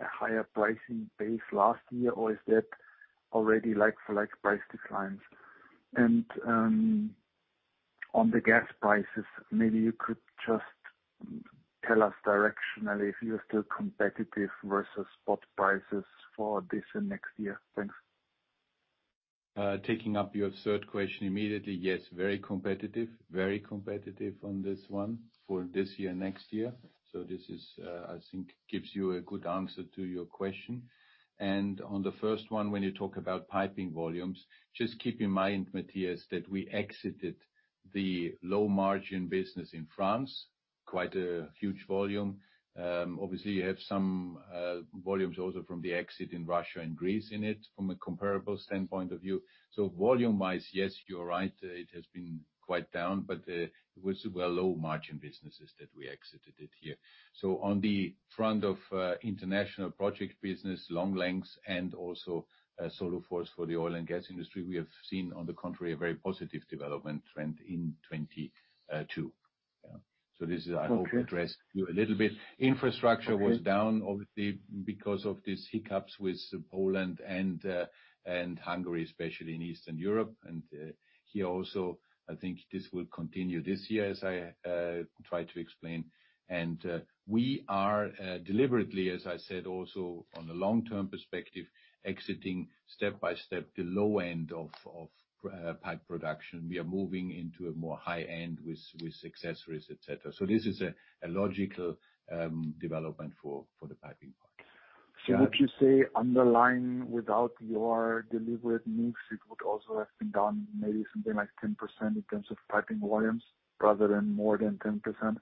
a higher pricing base last year, or is that already like-for-like price declines? On the gas prices, maybe you could just tell us directionally if you're still competitive versus spot prices for this and next year. Thanks. Taking up your third question immediately, yes, very competitive. Very competitive on this one for this year, next year. This is I think gives you a good answer to your question. On the first one, when you talk about piping volumes, just keep in mind, Matthias, that we exited the low margin business in France, quite a huge volume. Obviously, you have some volumes also from the exit in Russia and Greece in it from a comparable standpoint of view. Volume-wise, yes, you're right, it has been quite down, but, it was, well, low margin businesses that we exited it here. On the front of international project business, long lengths, and also Soluforce for the oil and gas industry, we have seen, on the contrary, a very positive development trend in 2022. Yeah. This is- Okay. I hope addressed you a little bit. Okay. Infrastructure was down, obviously, because of these hiccups with Poland and Hungary, especially in Eastern Europe. Here also, I think this will continue this year, as I tried to explain. We are deliberately, as I said, also on a long-term perspective, exiting step-by-step the low end of pipe production. We are moving into a more high end with accessories, et cetera. This is a logical development for the piping part. Yeah. Would you say underlying, without your deliberate mix, it would also have been down maybe something like 10% in terms of piping volumes rather than more than 10%?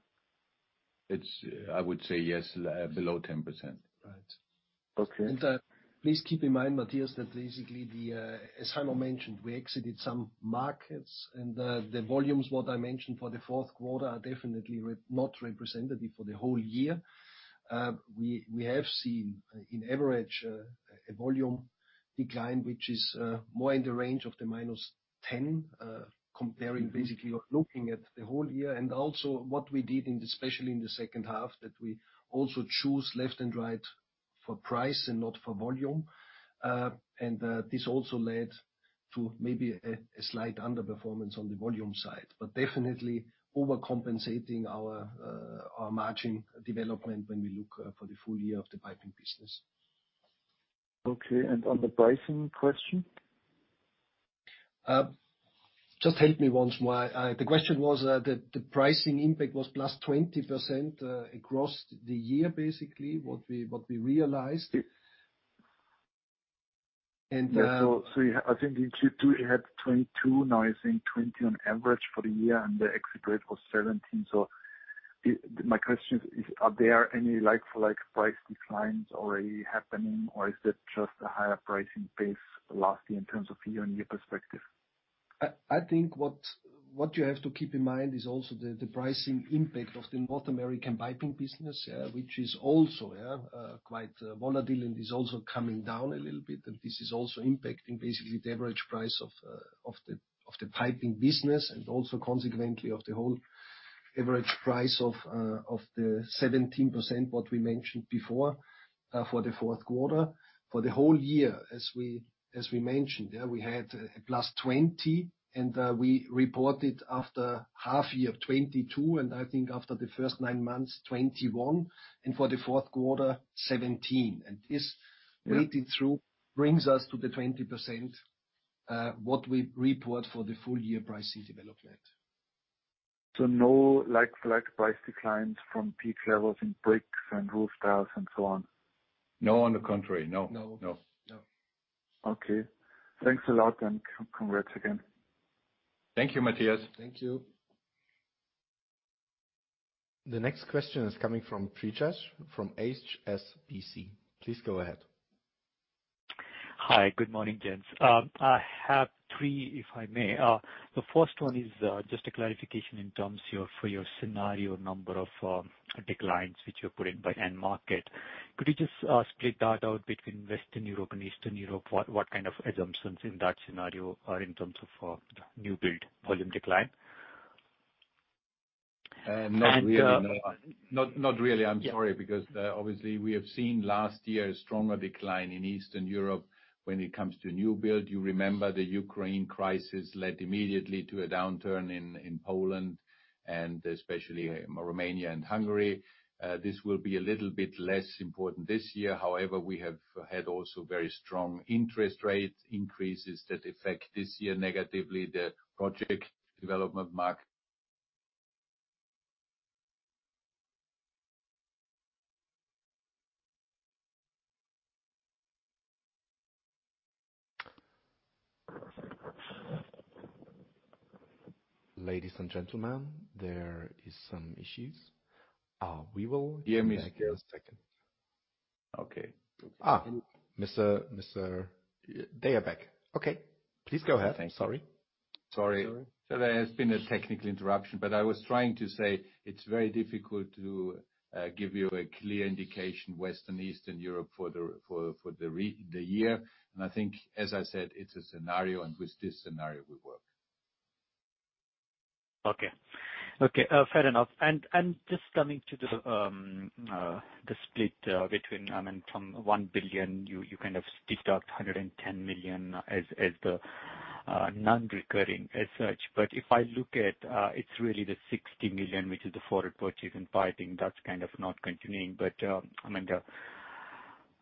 I would say yes, below 10%. Right. Okay. Please keep in mind, Matthias, that basically as Heimo mentioned, we exited some markets, the volumes what I mentioned for the fourth quarter are definitely not representative for the whole year. We have seen in average a volume decline, which is more in the range of the -10%, comparing basically or looking at the whole year. Also what we did in the, especially in the second half, that we also choose left and right for price and not for volume. This also led to maybe a slight underperformance on the volume side, but definitely overcompensating our margin development when we look for the full year of the piping business. Okay. On the pricing question? Just help me once more. The question was, the pricing impact was +20% across the year, basically, what we realized. Yes. And, uh- Yeah. I think in Q2 you had 22. Now you're saying 20 on average for the year, and the exit rate was 17. My question is, are there any like-for-like price declines already happening, or is it just a higher pricing base last year in terms of year-on-year perspective? I think what you have to keep in mind is also the pricing impact of the North American piping business, which is also quite volatile and is also coming down a little bit. This is also impacting basically the average price of the piping business and also consequently of the whole average price of the 17% what we mentioned before for the fourth quarter. For the whole year, as we mentioned, we had +20, and we reported after half year 2022, and I think after the first 9 months, 2021, and for the fourth quarter, 17. Yeah. -weighted through brings us to the 20%, what we report for the full year pricing development. No like-for-like price declines from peak levels in bricks and roof tiles and so on? No, on the contrary. No. No. No. No. Okay. Thanks a lot, and congrats again. Thank you, Matthias. Thank you. The next question is coming from Preetoj from HSBC. Please go ahead. Hi, good morning, gents. I have three, if I may. The first one is just a clarification in terms your, for your scenario number of declines which you put in by end market. Could you just split that out between Western Europe and Eastern Europe? What, what kind of assumptions in that scenario are in terms of new build volume decline? Not really. And, uh- Not really. I'm sorry. Yeah. Obviously we have seen last year a stronger decline in Eastern Europe when it comes to new build. You remember the Ukraine crisis led immediately to a downturn in Poland and especially Romania and Hungary. This will be a little bit less important this year. We have had also very strong interest rates increases that affect this year negatively the project development market. Ladies and gentlemen, there is some issues. Yeah. Give me a second. Okay. They are back. Okay, please go ahead. Thank you. Sorry. Sorry. Sorry. There has been a technical interruption, but I was trying to say it's very difficult to give you a clear indication Western, Eastern Europe for the year. I think, as I said, it's a scenario and with this scenario will work. Okay. Okay, fair enough. Just coming to the split, between, I mean, from 1 billion, you kind of stitched out 110 million as the non-recurring as such. If I look at, it's really the 60 million, which is the forward purchase and piping that's kind of not continuing. I mean the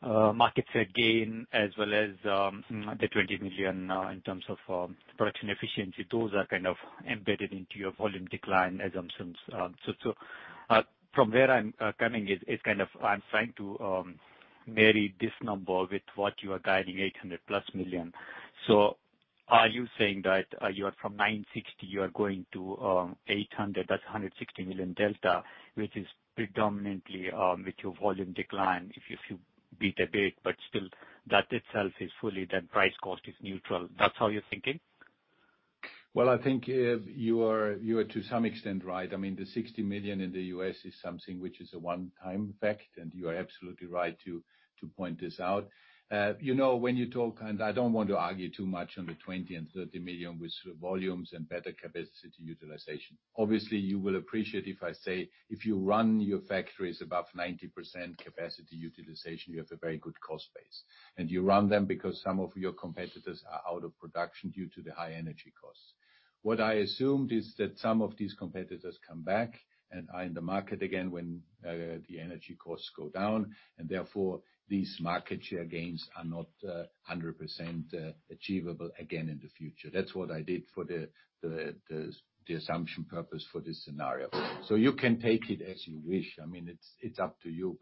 markets had gain as well as, the 20 million, in terms of production efficiency. Those are kind of embedded into your volume decline assumptions. From where I'm coming is kind of I'm trying to marry this number with what you are guiding 800+ million. Are you saying that, you are from 960, you are going to, 800, that's 160 million delta, which is predominantly, with your volume decline, if you beat a bit. Still that itself is fully then price cost is neutral. That's how you're thinking? Well, I think you are to some extent, right. I mean, the $60 million in the U.S. is something which is a one-time fact, and you are absolutely right to point this out. You know, when you talk, and I don't want to argue too much on the 20 million and 30 million with volumes and better capacity utilization. Obviously, you will appreciate if I say, if you run your factories above 90% capacity utilization, you have a very good cost base. You run them because some of your competitors are out of production due to the high energy costs. What I assumed is that some of these competitors come back and are in the market again when the energy costs go down, and therefore these market share gains are not 100% achievable again in the future. That's what I did for the assumption purpose for this scenario. You can take it as you wish. I mean, it's up to you.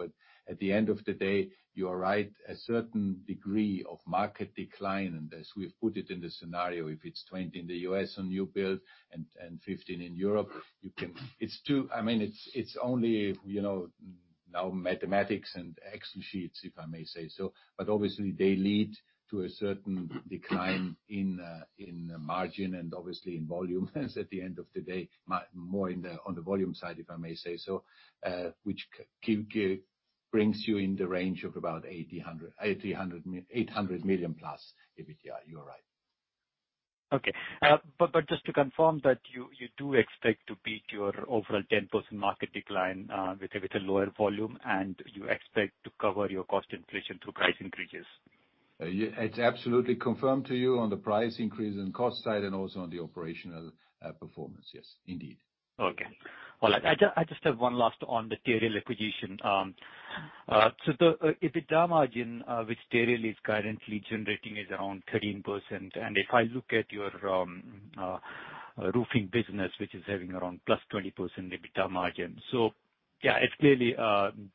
At the end of the day, you are right. A certain degree of market decline, and as we've put it in the scenario, if it's 20 in the US on new build and 15 in Europe, you can... I mean, it's only, you know, now mathematics and Excel sheets, if I may say so, but obviously they lead to a certain decline in margin and obviously in volume as at the end of the day, more in the, on the volume side, if I may say so. Which brings you in the range of about 800 million plus. Yeah, you are right. Okay. just to confirm that you do expect to beat your overall 10% market decline, with a lower volume, and you expect to cover your cost inflation through price increases. Yeah. It's absolutely confirmed to you on the price increase in cost side and also on the operational performance. Yes, indeed. Okay. Well, I just have one last on the Terreal acquisition. The EBITDA margin, which Terreal is currently generating is around 13%. If I look at your roofing business, which is having around +20% EBITDA margin. Yeah, it's clearly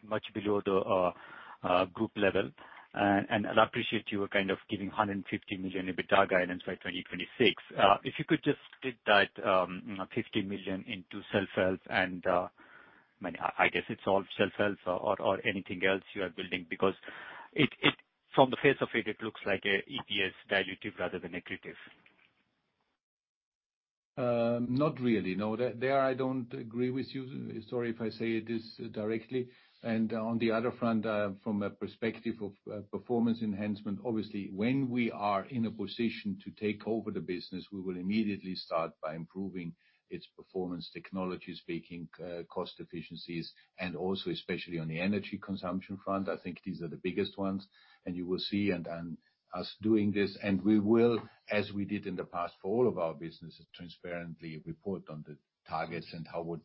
much below the group level. I appreciate you are kind of giving 150 million EBITDA guidance by 2026. If you could just split that, you know, 50 million into cell sites and, I mean, I guess it's all cell sites or anything else you are building because from the face of it looks like a EPS dilutive rather than accretive. Not really, no. There I don't agree with you. Sorry if I say this directly. On the other front, from a perspective of performance enhancement, obviously when we are in a position to take over the business, we will immediately start by improving its performance technology speaking, cost efficiencies, and also especially on the energy consumption front. I think these are the biggest ones. You will see us doing this, and we will, as we did in the past, for all of our business, transparently report on the targets and how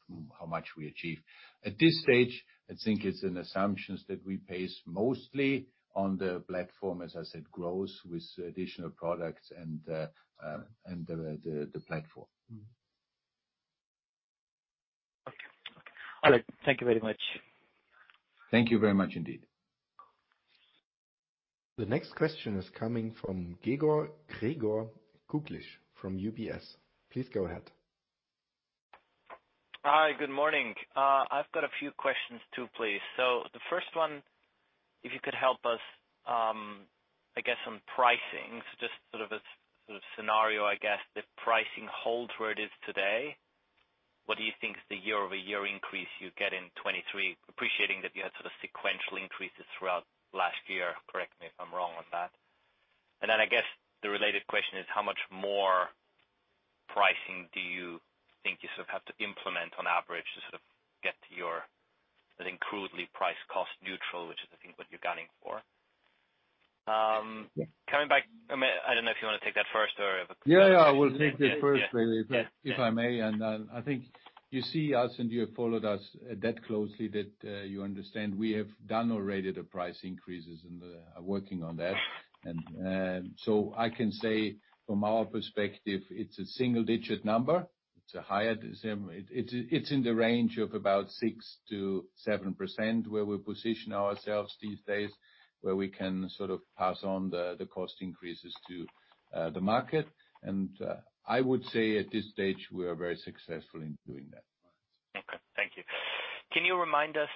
much we achieve. At this stage, I think it's an assumptions that we pace mostly on the platform, as I said, grows with additional products and the platform. Okay. Okay. All right. Thank you very much. Thank you very much indeed. The next question is coming from Gregor Kuglitsch from UBS. Please go ahead. Hi, good morning. I've got a few questions too, please. The first one, if you could help us, I guess, on pricing. Just sort of a scenario, I guess, if pricing holds where it is today, what do you think is the year-over-year increase you'd get in 2023, appreciating that you had sort of sequential increases throughout last year? Correct me if I'm wrong on that. I guess the related question is, how much more pricing do you think you sort of have to implement on average to sort of get to your, I think, crudely price cost neutral, which is I think what you're gunning for. Coming back. I don't know if you wanna take that first. Yeah, we'll take that first, William, if I may. Then I think you see us, and you have followed us that closely that you understand we have done already the price increases and are working on that. So I can say from our perspective, it's a single-digit number. It's a higher decile. It's in the range of about 6%-7% where we position ourselves these days, where we can sort of pass on the cost increases to the market. I would say at this stage, we are very successful in doing that. Okay. Thank you. Can you remind us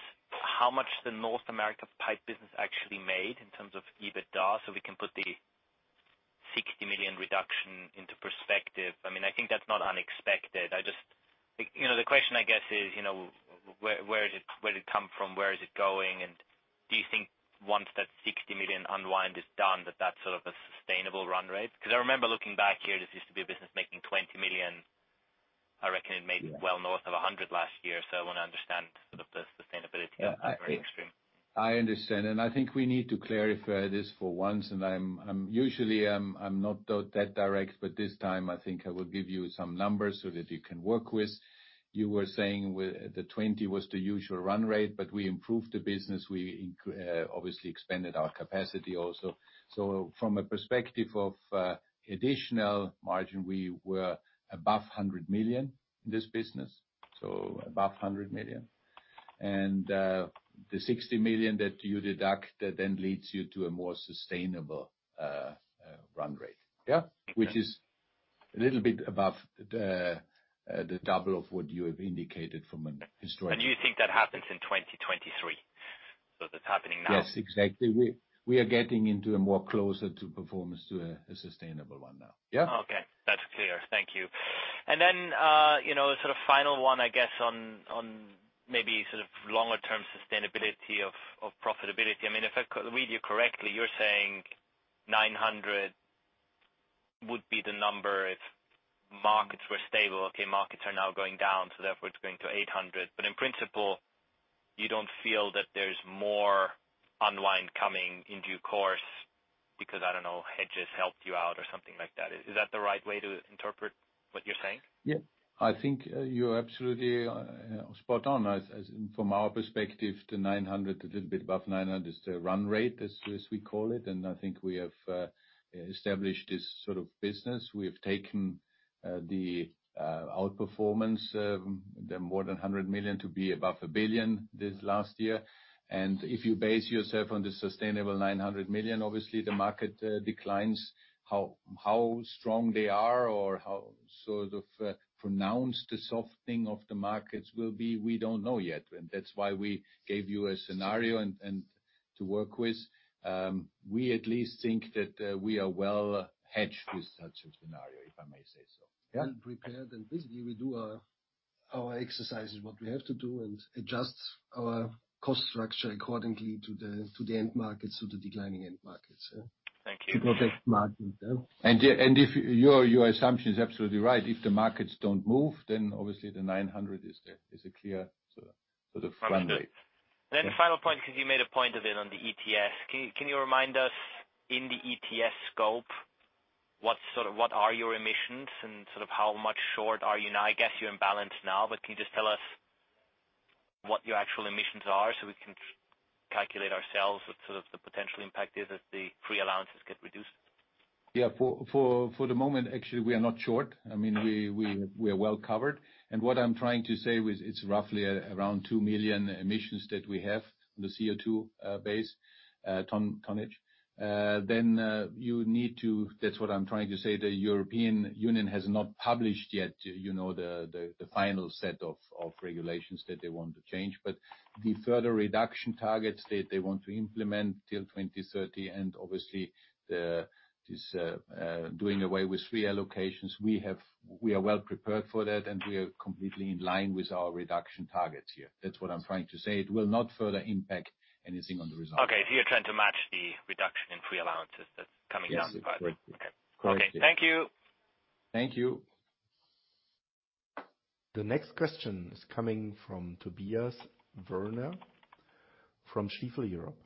how much the North America pipe business actually made in terms of EBITDA, so we can put the 60 million reduction into perspective? I mean, I think that's not unexpected. You know, the question I guess is, you know, where did it come from? Where is it going? Do you think once that 60 million unwind is done, that that's sort of a sustainable run rate? 'Cause I remember looking back here, this used to be a business making 20 million. I reckon it made well north of 100 million last year, so I wanna understand sort of the sustainability of the very extreme. I understand. I think we need to clarify this for once, I'm usually not that direct, but this time I think I will give you some numbers so that you can work with. You were saying with the 20 was the usual run rate, but we improved the business. We obviously expanded our capacity also. From a perspective of additional margin, we were above 100 million in this business, so above 100 million. The 60 million that you deduct, that then leads you to a more sustainable run rate. Yeah? Okay. is a little bit above the double of what you have indicated from an. You think that happens in 2023? That's happening now. Yes, exactly. We are getting into a more closer to performance to a sustainable one now. Yeah? Okay. That's clear. Thank you. Then, you know, sort of final one, I guess, on maybe sort of longer term sustainability of profitability. I mean, if I read you correctly, you're saying 900 would be the number if markets were stable. Okay, markets are now going down, so therefore it's going to 800. In principle, you don't feel that there's more unwind coming in due course because, I don't know, hedges helped you out or something like that. Is that the right way to interpret what you're saying? I think you're absolutely spot on. As from our perspective, the 900 million, a little bit above 900 million is the run rate as we call it, and I think we have established this sort of business. We have taken the outperformance, the more than 100 million to be above 1 billion this last year. If you base yourself on the sustainable 900 million, obviously the market declines. How strong they are or how sort of pronounced the softening of the markets will be, we don't know yet. That's why we gave you a scenario and to work with. We at least think that we are well hedged with such a scenario, if I may say so. Well prepared. Basically, we do our exercises, what we have to do, and adjust our cost structure accordingly to the end markets, to the declining end markets. Thank you. To protect margin. Yeah. Yeah, and if Your assumption is absolutely right. If the markets don't move, then obviously the 900 is a clear sort of run rate. Understood. Yeah. Final point, 'cause you made a point of it on the ETS. Can you remind us in the ETS scope, what are your emissions and sort of how much short are you now? I guess you're in balance now, can you just tell us what your actual emissions are so we can calculate ourselves what sort of the potential impact is if the free allowances get reduced? Yeah. For the moment, actually, we are not short. I mean, we are well covered. What I'm trying to say is it's roughly around 2 million emissions that we have in the CO2 base tonnage. That's what I'm trying to say, the European Union has not published yet, you know, the final set of regulations that they want to change. The further reduction targets that they want to implement till 2030 and obviously this doing away with free allocations, we are well prepared for that, and we are completely in line with our reduction targets here. That's what I'm trying to say. It will not further impact anything on the results. Okay. You're trying to match the reduction in free allowances that's coming down the pipe. Yes, exactly. Okay. Okay. Thank you. Thank you. The next question is coming from Tobias Woerner from Stifel Europe.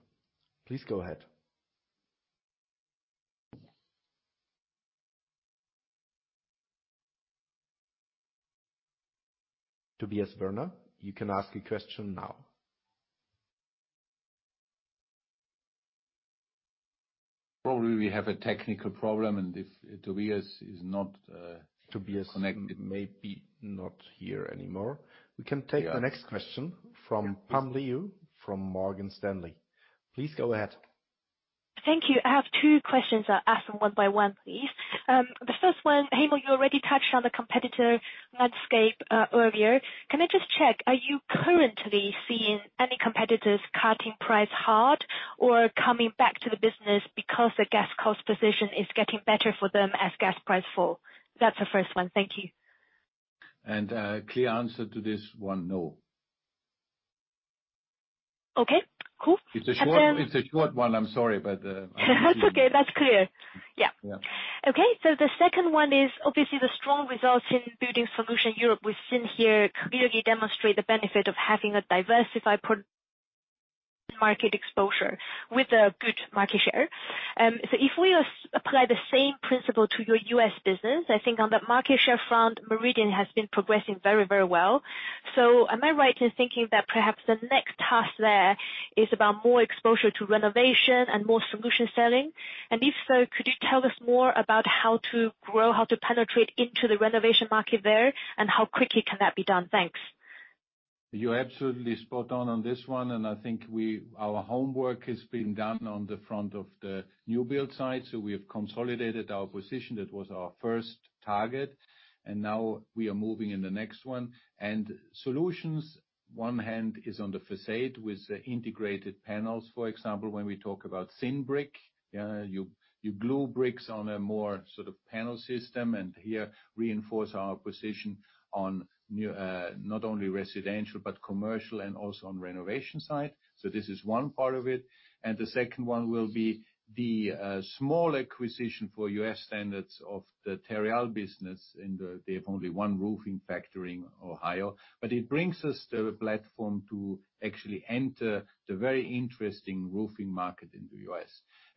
Please go ahead. Tobias Woerner, you can ask a question now. Probably we have a technical problem, and if Tobias is not connected. Tobias may be not here anymore. We can take the next question from Pam Liu from Morgan Stanley. Please go ahead. Thank you. I have two questions. I'll ask them one by one, please. The first one, Heimo, you already touched on the competitive landscape earlier. Can I just check, are you currently seeing any competitors cutting price hard or coming back to the business because the gas cost position is getting better for them as gas price fall? That's the first one. Thank you. A clear answer to this one, no. Okay, cool. It's a short one. I'm sorry, but. That's okay. That's clear. Yeah. Yeah. The second one is, obviously the strong results in Wienerberger Building Solutions we've seen here clearly demonstrate the benefit of having a diversified pro- market exposure with a good market share. If we apply the same principle to your U.S. business, I think on the market share front, Meridian has been progressing very, very well. Am I right in thinking that perhaps the next task there is about more exposure to renovation and more solution selling? If so, could you tell us more about how to grow, how to penetrate into the renovation market there, and how quickly can that be done? Thanks. You're absolutely spot on on this one, I think our homework has been done on the front of the new build side. We have consolidated our position. That was our first target. Now we are moving in the next one. Solutions, one hand is on the facade with the integrated panels, for example, when we talk about thin brick, yeah. You glue bricks on a more sort of panel system, and here reinforce our position on new, not only residential, but commercial and also on renovation side. This is one part of it. The second one will be the small acquisition for U.S. standards of the Terreal business in the. They have only one roofing factory in Ohio. It brings us the platform to actually enter the very interesting roofing market in the U.S.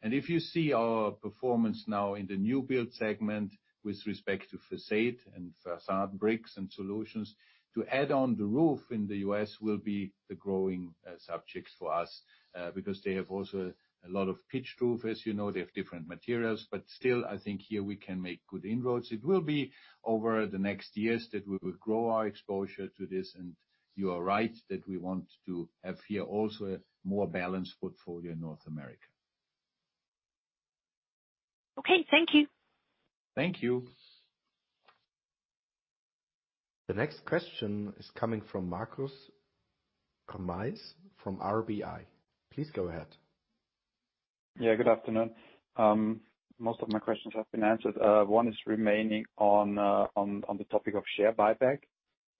If you see our performance now in the new build segment with respect to facade and facade bricks and solutions, to add on the roof in the U.S. will be the growing subjects for us, because they have also a lot of pitched roof, as you know. They have different materials. Still, I think here we can make good inroads. It will be over the next years that we will grow our exposure to this. You are right that we want to have here also a more balanced portfolio in North America. Okay. Thank you. Thank you. The next question is coming from Markus Remis from RBI. Please go ahead. Yeah, good afternoon. Most of my questions have been answered. One is remaining on the topic of share buyback.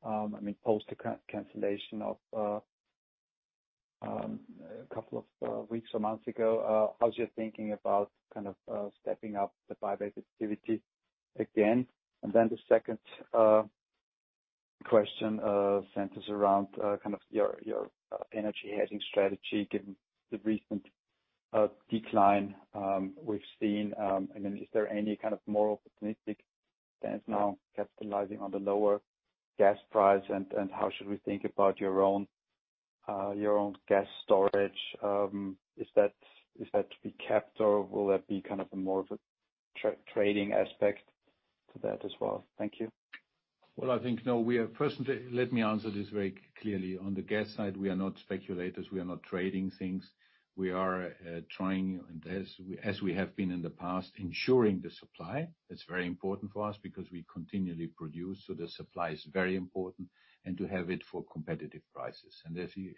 I mean, post the cancellation of a couple of weeks or months ago, how's your thinking about kind of stepping up the buyback activity again? The second question centers around kind of your energy hedging strategy, given the recent decline we've seen. Is there any kind of more opportunistic stance now capitalizing on the lower gas price? How should we think about your own gas storage? Is that to be kept, or will that be kind of a more of a trading aspect to that as well? Thank you. Well, I think, no, First, let me answer this very clearly. On the gas side, we are not speculators. We are not trading things. We are trying, and as we have been in the past, ensuring the supply. It's very important for us because we continually produce, so the supply is very important and to have it for competitive prices.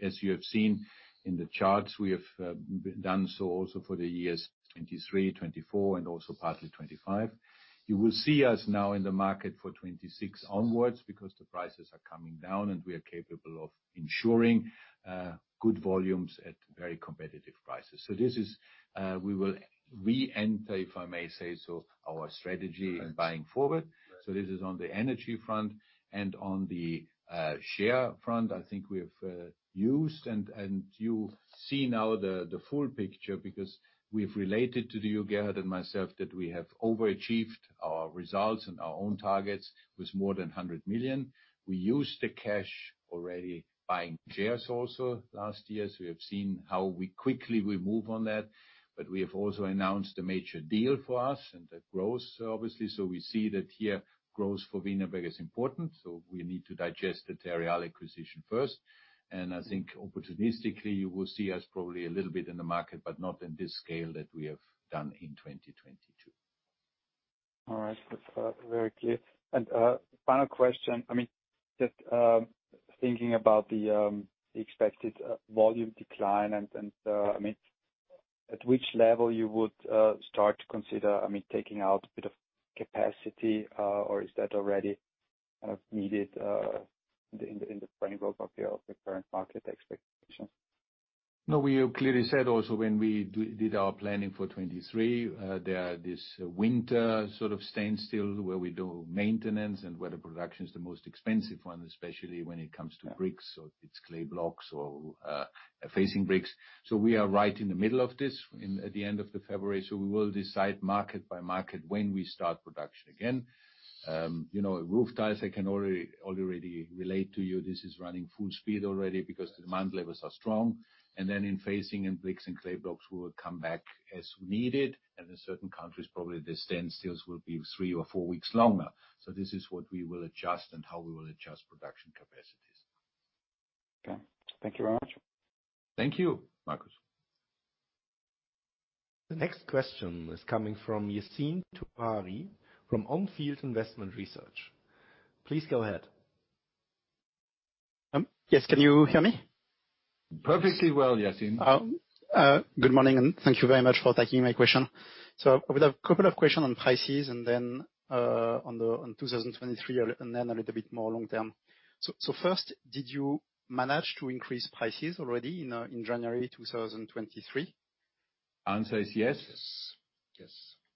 As you have seen in the charts, we have done so also for the years 2023, 2024 and also partly 2025. You will see us now in the market for 2026 onwards because the prices are coming down, and we are capable of ensuring good volumes at very competitive prices. This is, we will re-enter, if I may say so, our strategy in buying forward. This is on the energy front and on the share front, I think we have used. You see now the full picture because we've related to you, Gerhard and myself, that we have overachieved our results and our own targets with more than 100 million. We used the cash already buying shares also last year. We have seen how quickly we move on that. We have also announced a major deal for us and the growth, obviously. We see that here growth for Wienerberger is important, so we need to digest the Terreal acquisition first. I think opportunistically, you will see us probably a little bit in the market, but not in this scale that we have done in 2022. All right. That's very clear. Final question. I mean, just thinking about the expected volume decline and, I mean, at which level you would start to consider, I mean, taking out a bit of capacity, or is that already kind of needed in the framework of the current market expectations? No, we clearly said also when we did our planning for 2023, there are this winter sort of standstill where we do maintenance and where the production is the most expensive one, especially when it comes to bricks or its clay blocks or facing bricks. We are right in the middle of this at the end of February. We will decide market by market when we start production again. You know, roof tiles, I can already relate to you. This is running full speed already because demand levels are strong. In facing and bricks and clay blocks, we will come back as needed. In certain countries, probably the standstills will be three or four weeks longer. This is what we will adjust and how we will adjust production capacity. Okay. Thank you very much. Thank you, Marcus. The next question is coming from Yassine Touahri from On Field Investment Research. Please go ahead. yes. Can you hear me? Perfectly well, Yassine Good morning, and thank you very much for taking my question. I have a couple of question on prices and then on the, on 2023, and then a little bit more long term. First, did you manage to increase prices already in January 2023? Answer is yes. Yes. Yes.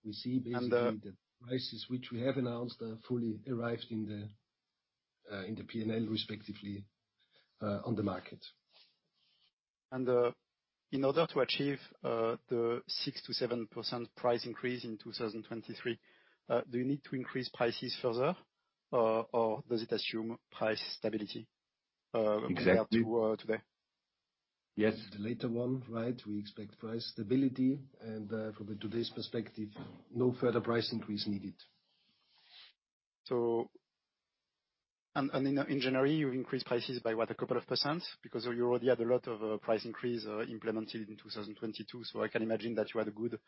We see. And, uh- The prices which we have announced are fully arrived in the P&L respectively on the market. In order to achieve the 6%-7% price increase in 2023, do you need to increase prices further or does it assume price stability? Exactly. compared to, today? Yes. The later one, right. We expect price stability and from a today's perspective, no further price increase needed. In January, you increased prices by what? A couple of % because you already had a lot of price increase implemented in 2022, so I can imagine that you had a good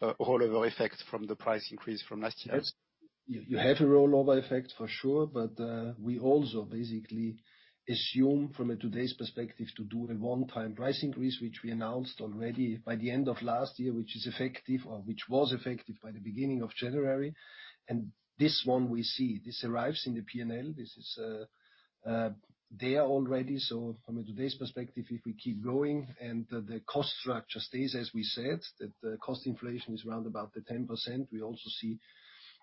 rollover effect from the price increase from last year. You had a rollover effect for sure, we also basically assume from a today's perspective to do a one-time price increase, which we announced already by the end of last year, which is effective or which was effective by the beginning of January. This one we see. This arrives in the P&L. This is there already. From today's perspective, if we keep going and the cost structure stays as we said, that the cost inflation is round about the 10%, we also see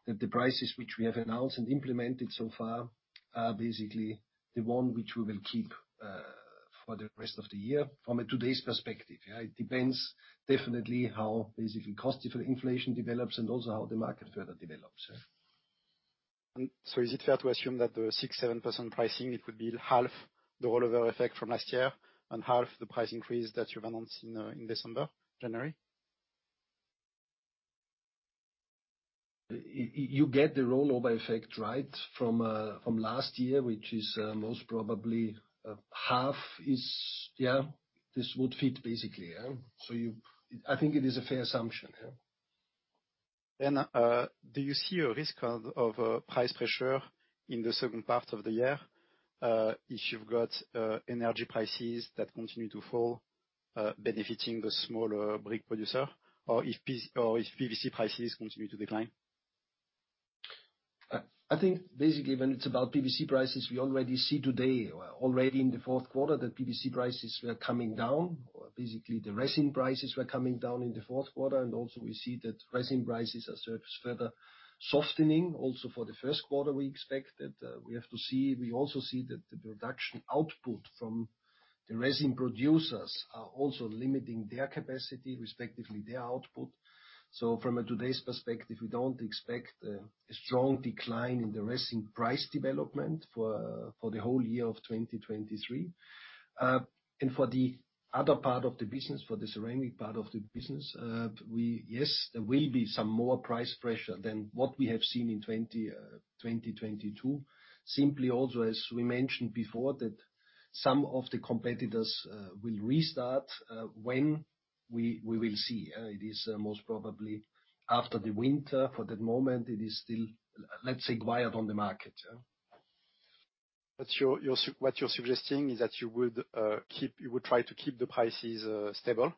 that the prices which we have announced and implemented so far are basically the one which we will keep for the rest of the year from a today's perspective. Yeah. It depends definitely how basically cost inflation develops and also how the market further develops. Yeah. Is it fair to assume that the 6%-7% pricing, it would be half the rollover effect from last year and half the price increase that you've announced in December, January? You get the rollover effect, right, from last year, which is, most probably. Yeah. This would fit basically, yeah. I think it is a fair assumption. Yeah. Do you see a risk of price pressure in the second part of the year, if you've got energy prices that continue to fall, benefiting the smaller brick producer or if PVC prices continue to decline? I think basically when it's about PVC prices, we already see today, already in the fourth quarter that PVC prices were coming down. Basically, the resin prices were coming down in the fourth quarter, and also we see that resin prices are sort of further softening also for the first quarter we expect that. We have to see. We also see that the production output from the resin producers are also limiting their capacity, respectively, their output. From a today's perspective, we don't expect a strong decline in the resin price development for the whole year of 2023. For the other part of the business, for the ceramic part of the business, Yes, there will be some more price pressure than what we have seen in 2022. Simply also, as we mentioned before, that some of the competitors will restart. When? We will see. It is most probably after the winter. For the moment, it is still, let's say, quiet on the market. What you're suggesting is that you would try to keep the prices stable.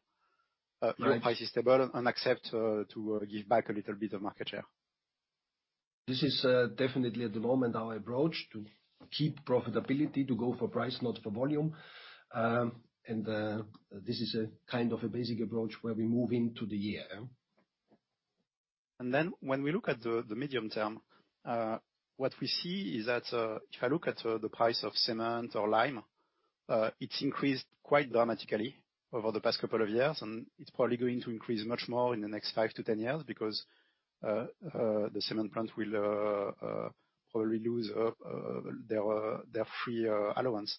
Right. keep prices stable and accept to give back a little bit of market share. This is, definitely at the moment our approach, to keep profitability, to go for price, not for volume. This is a kind of a basic approach where we move into the year. When we look at the medium term, what we see is that if I look at the price of cement or lime, it's increased quite dramatically over the past couple of years, and it's probably going to increase much more in the next 5 to 10 years because the cement plants will probably lose their free allowance.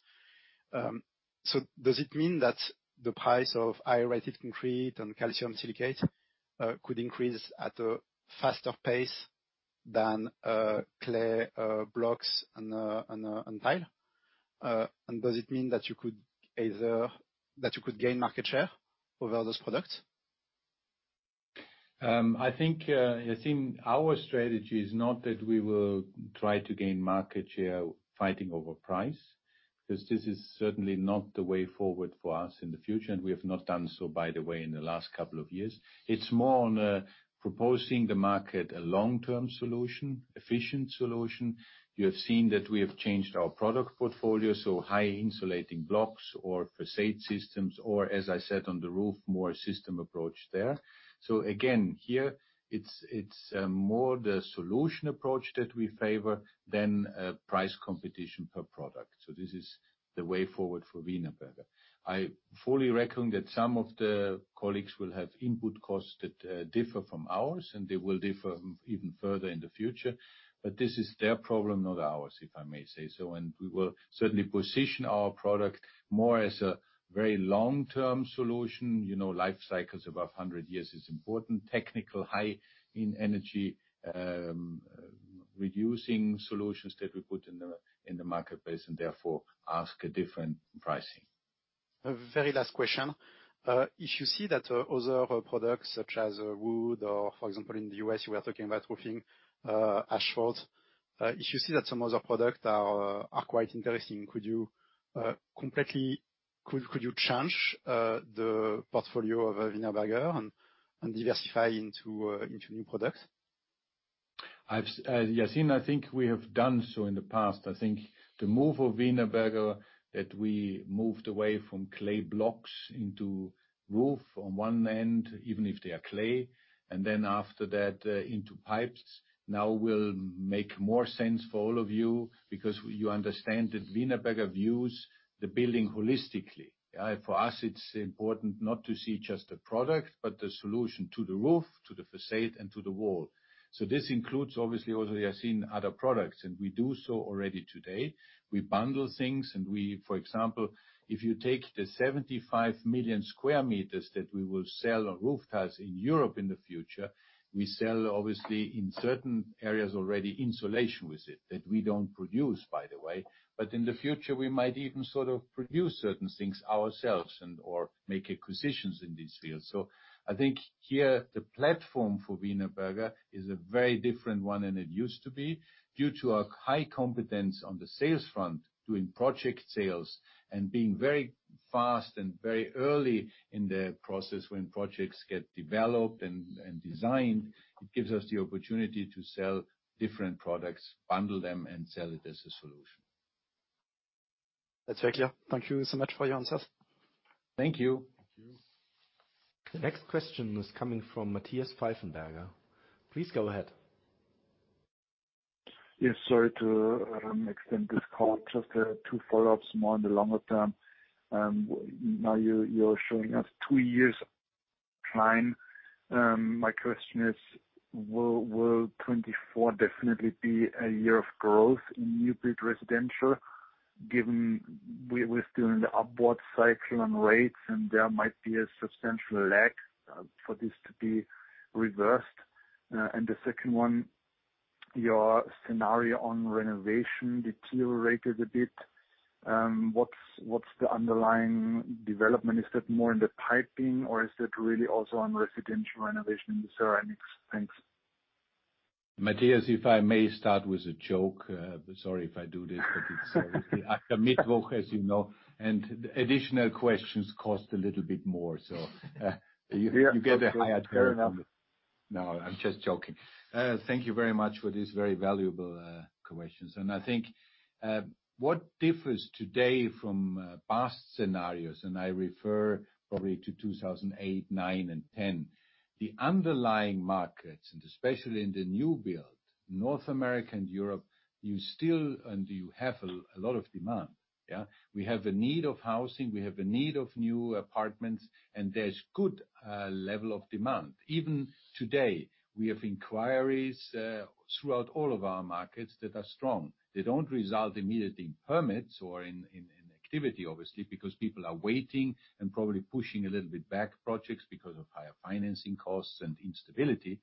So does it mean that the price of high-rated concrete and calcium silicate could increase at a faster pace than clay blocks and tile? And does it mean that you could gain market share over those products? I think, Yassine, our strategy is not that we will try to gain market share fighting over price, because this is certainly not the way forward for us in the future, and we have not done so, by the way, in the last couple of years. It's more on proposing the market a long-term solution, efficient solution. You have seen that we have changed our product portfolio, high insulating blocks or façade systems or, as I said, on the roof, more system approach there. Again, here it's more the solution approach that we favor than price competition per product. This is the way forward for Wienerberger. I fully reckon that some of the colleagues will have input costs that differ from ours, and they will differ even further in the future. This is their problem, not ours, if I may say so. We will certainly position our product more as a very long-term solution. You know, life cycles above 100 years is important. Technical high in energy, Reducing solutions that we put in the marketplace and therefore ask a different pricing. A very last question. If you see that other products such as wood or for example in the U.S. you are talking about roofing, asphalt. If you see that some other product are quite interesting, could you change the portfolio of Wienerberger and diversify into new products? Yasin, I think we have done so in the past. I think the move of Wienerberger, that we moved away from clay blocks into roof on one end, even if they are clay, and then after that, into pipes, now will make more sense for all of you because you understand that Wienerberger views the building holistically. For us, it's important not to see just the product, but the solution to the roof, to the facade, and to the wall. This includes obviously also, Yasin, other products, and we do so already today. We bundle things, and we... For example, if you take the 75 million square meters that we will sell on roof tiles in Europe in the future, we sell obviously in certain areas already insulation with it that we don't produce, by the way. In the future we might even sort of produce certain things ourselves and/or make acquisitions in these fields. I think here the platform for Wienerberger is a very different one than it used to be due to our high competence on the sales front, doing project sales, and being very fast and very early in the process when projects get developed and designed. It gives us the opportunity to sell different products, bundle them, and sell it as a solution. That's very clear. Thank you so much for your answers. Thank you. Thank you. The next question is coming from Matthias Pfeifenberger. Please go ahead. Yes. Sorry to extend this call. Just 2 follow-ups, more on the longer term. Now you're showing us 2 years climb. My question is, will 2024 definitely be a year of growth in new build residential given we're still in the upward cycle on rates, and there might be a substantial lag for this to be reversed? The second one, your scenario on renovation deteriorated a bit. What's the underlying development? Is that more in the piping or is it really also on residential renovation in the ceramics? Thanks. Matthias, if I may start with a joke. Sorry if I do this, but as you know, and additional questions cost a little bit more. You get a higher price. Fair enough. No, I'm just joking. Thank you very much for these very valuable questions. I think what differs today from past scenarios, and I refer probably to 2008, 2009, and 2010, the underlying markets, and especially in the new build, North America and Europe, you still and you have a lot of demand, yeah? We have a need of housing, we have a need of new apartments. There's good level of demand. Even today, we have inquiries throughout all of our markets that are strong. They don't result immediately in permits or in activity obviously, because people are waiting and probably pushing a little bit back projects because of higher financing costs and instability.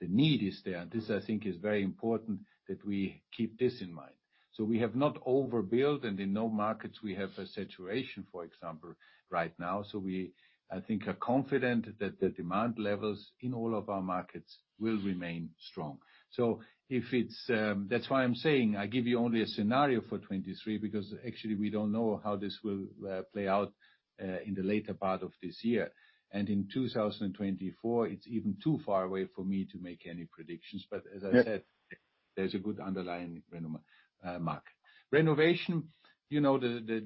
The need is there. This, I think, is very important that we keep this in mind. We have not overbuilt, and in no markets we have a saturation, for example, right now. We, I think, are confident that the demand levels in all of our markets will remain strong. If it's, that's why I'm saying I give you only a scenario for 2023 because actually we don't know how this will play out in the later part of this year. In 2024, it's even too far away for me to make any predictions. As I said... Yeah. There's a good underlying mark. Renovation, you know, the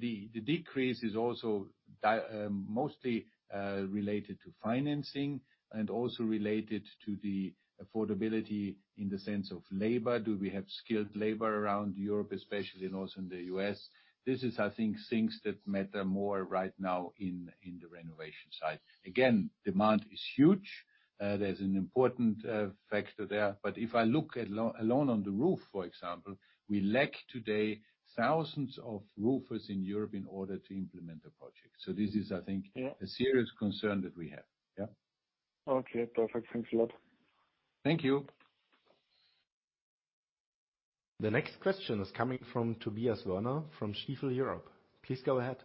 decrease is also mostly related to financing and also related to the affordability in the sense of labor. Do we have skilled labor around Europe, especially and also in the US? This is, I think, things that matter more right now in the renovation side. Again, demand is huge. There's an important factor there. If I look at alone on the roof, for example, we lack today thousands of roofers in Europe in order to implement the project. This is, I think. Yeah. A serious concern that we have. Yeah. Okay, perfect. Thanks a lot. Thank you. The next question is coming from Tobias Woerner from Stifel Europe. Please go ahead.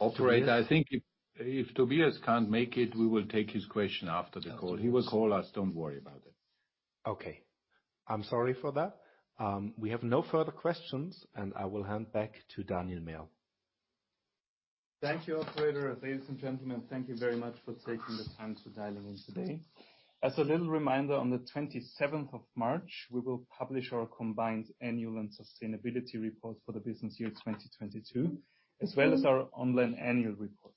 Operator, I think if Tobias can't make it, we will take his question after the call. He will call us. Don't worry about it. Okay. I'm sorry for that. We have no further questions. I will hand back to Daniel Merl. Thank you, operator. Ladies and gentlemen, thank you very much for taking the time to dial in today. As a little reminder, on the 27th of March, we will publish our combined annual and sustainability report for the business year 2022, as well as our online annual report.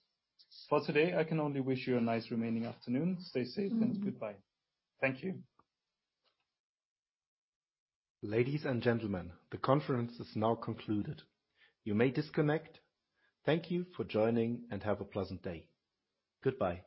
For today, I can only wish you a nice remaining afternoon. Stay safe and goodbye. Thank you. Ladies and gentlemen, the conference is now concluded. You may disconnect. Thank you for joining, and have a pleasant day. Goodbye.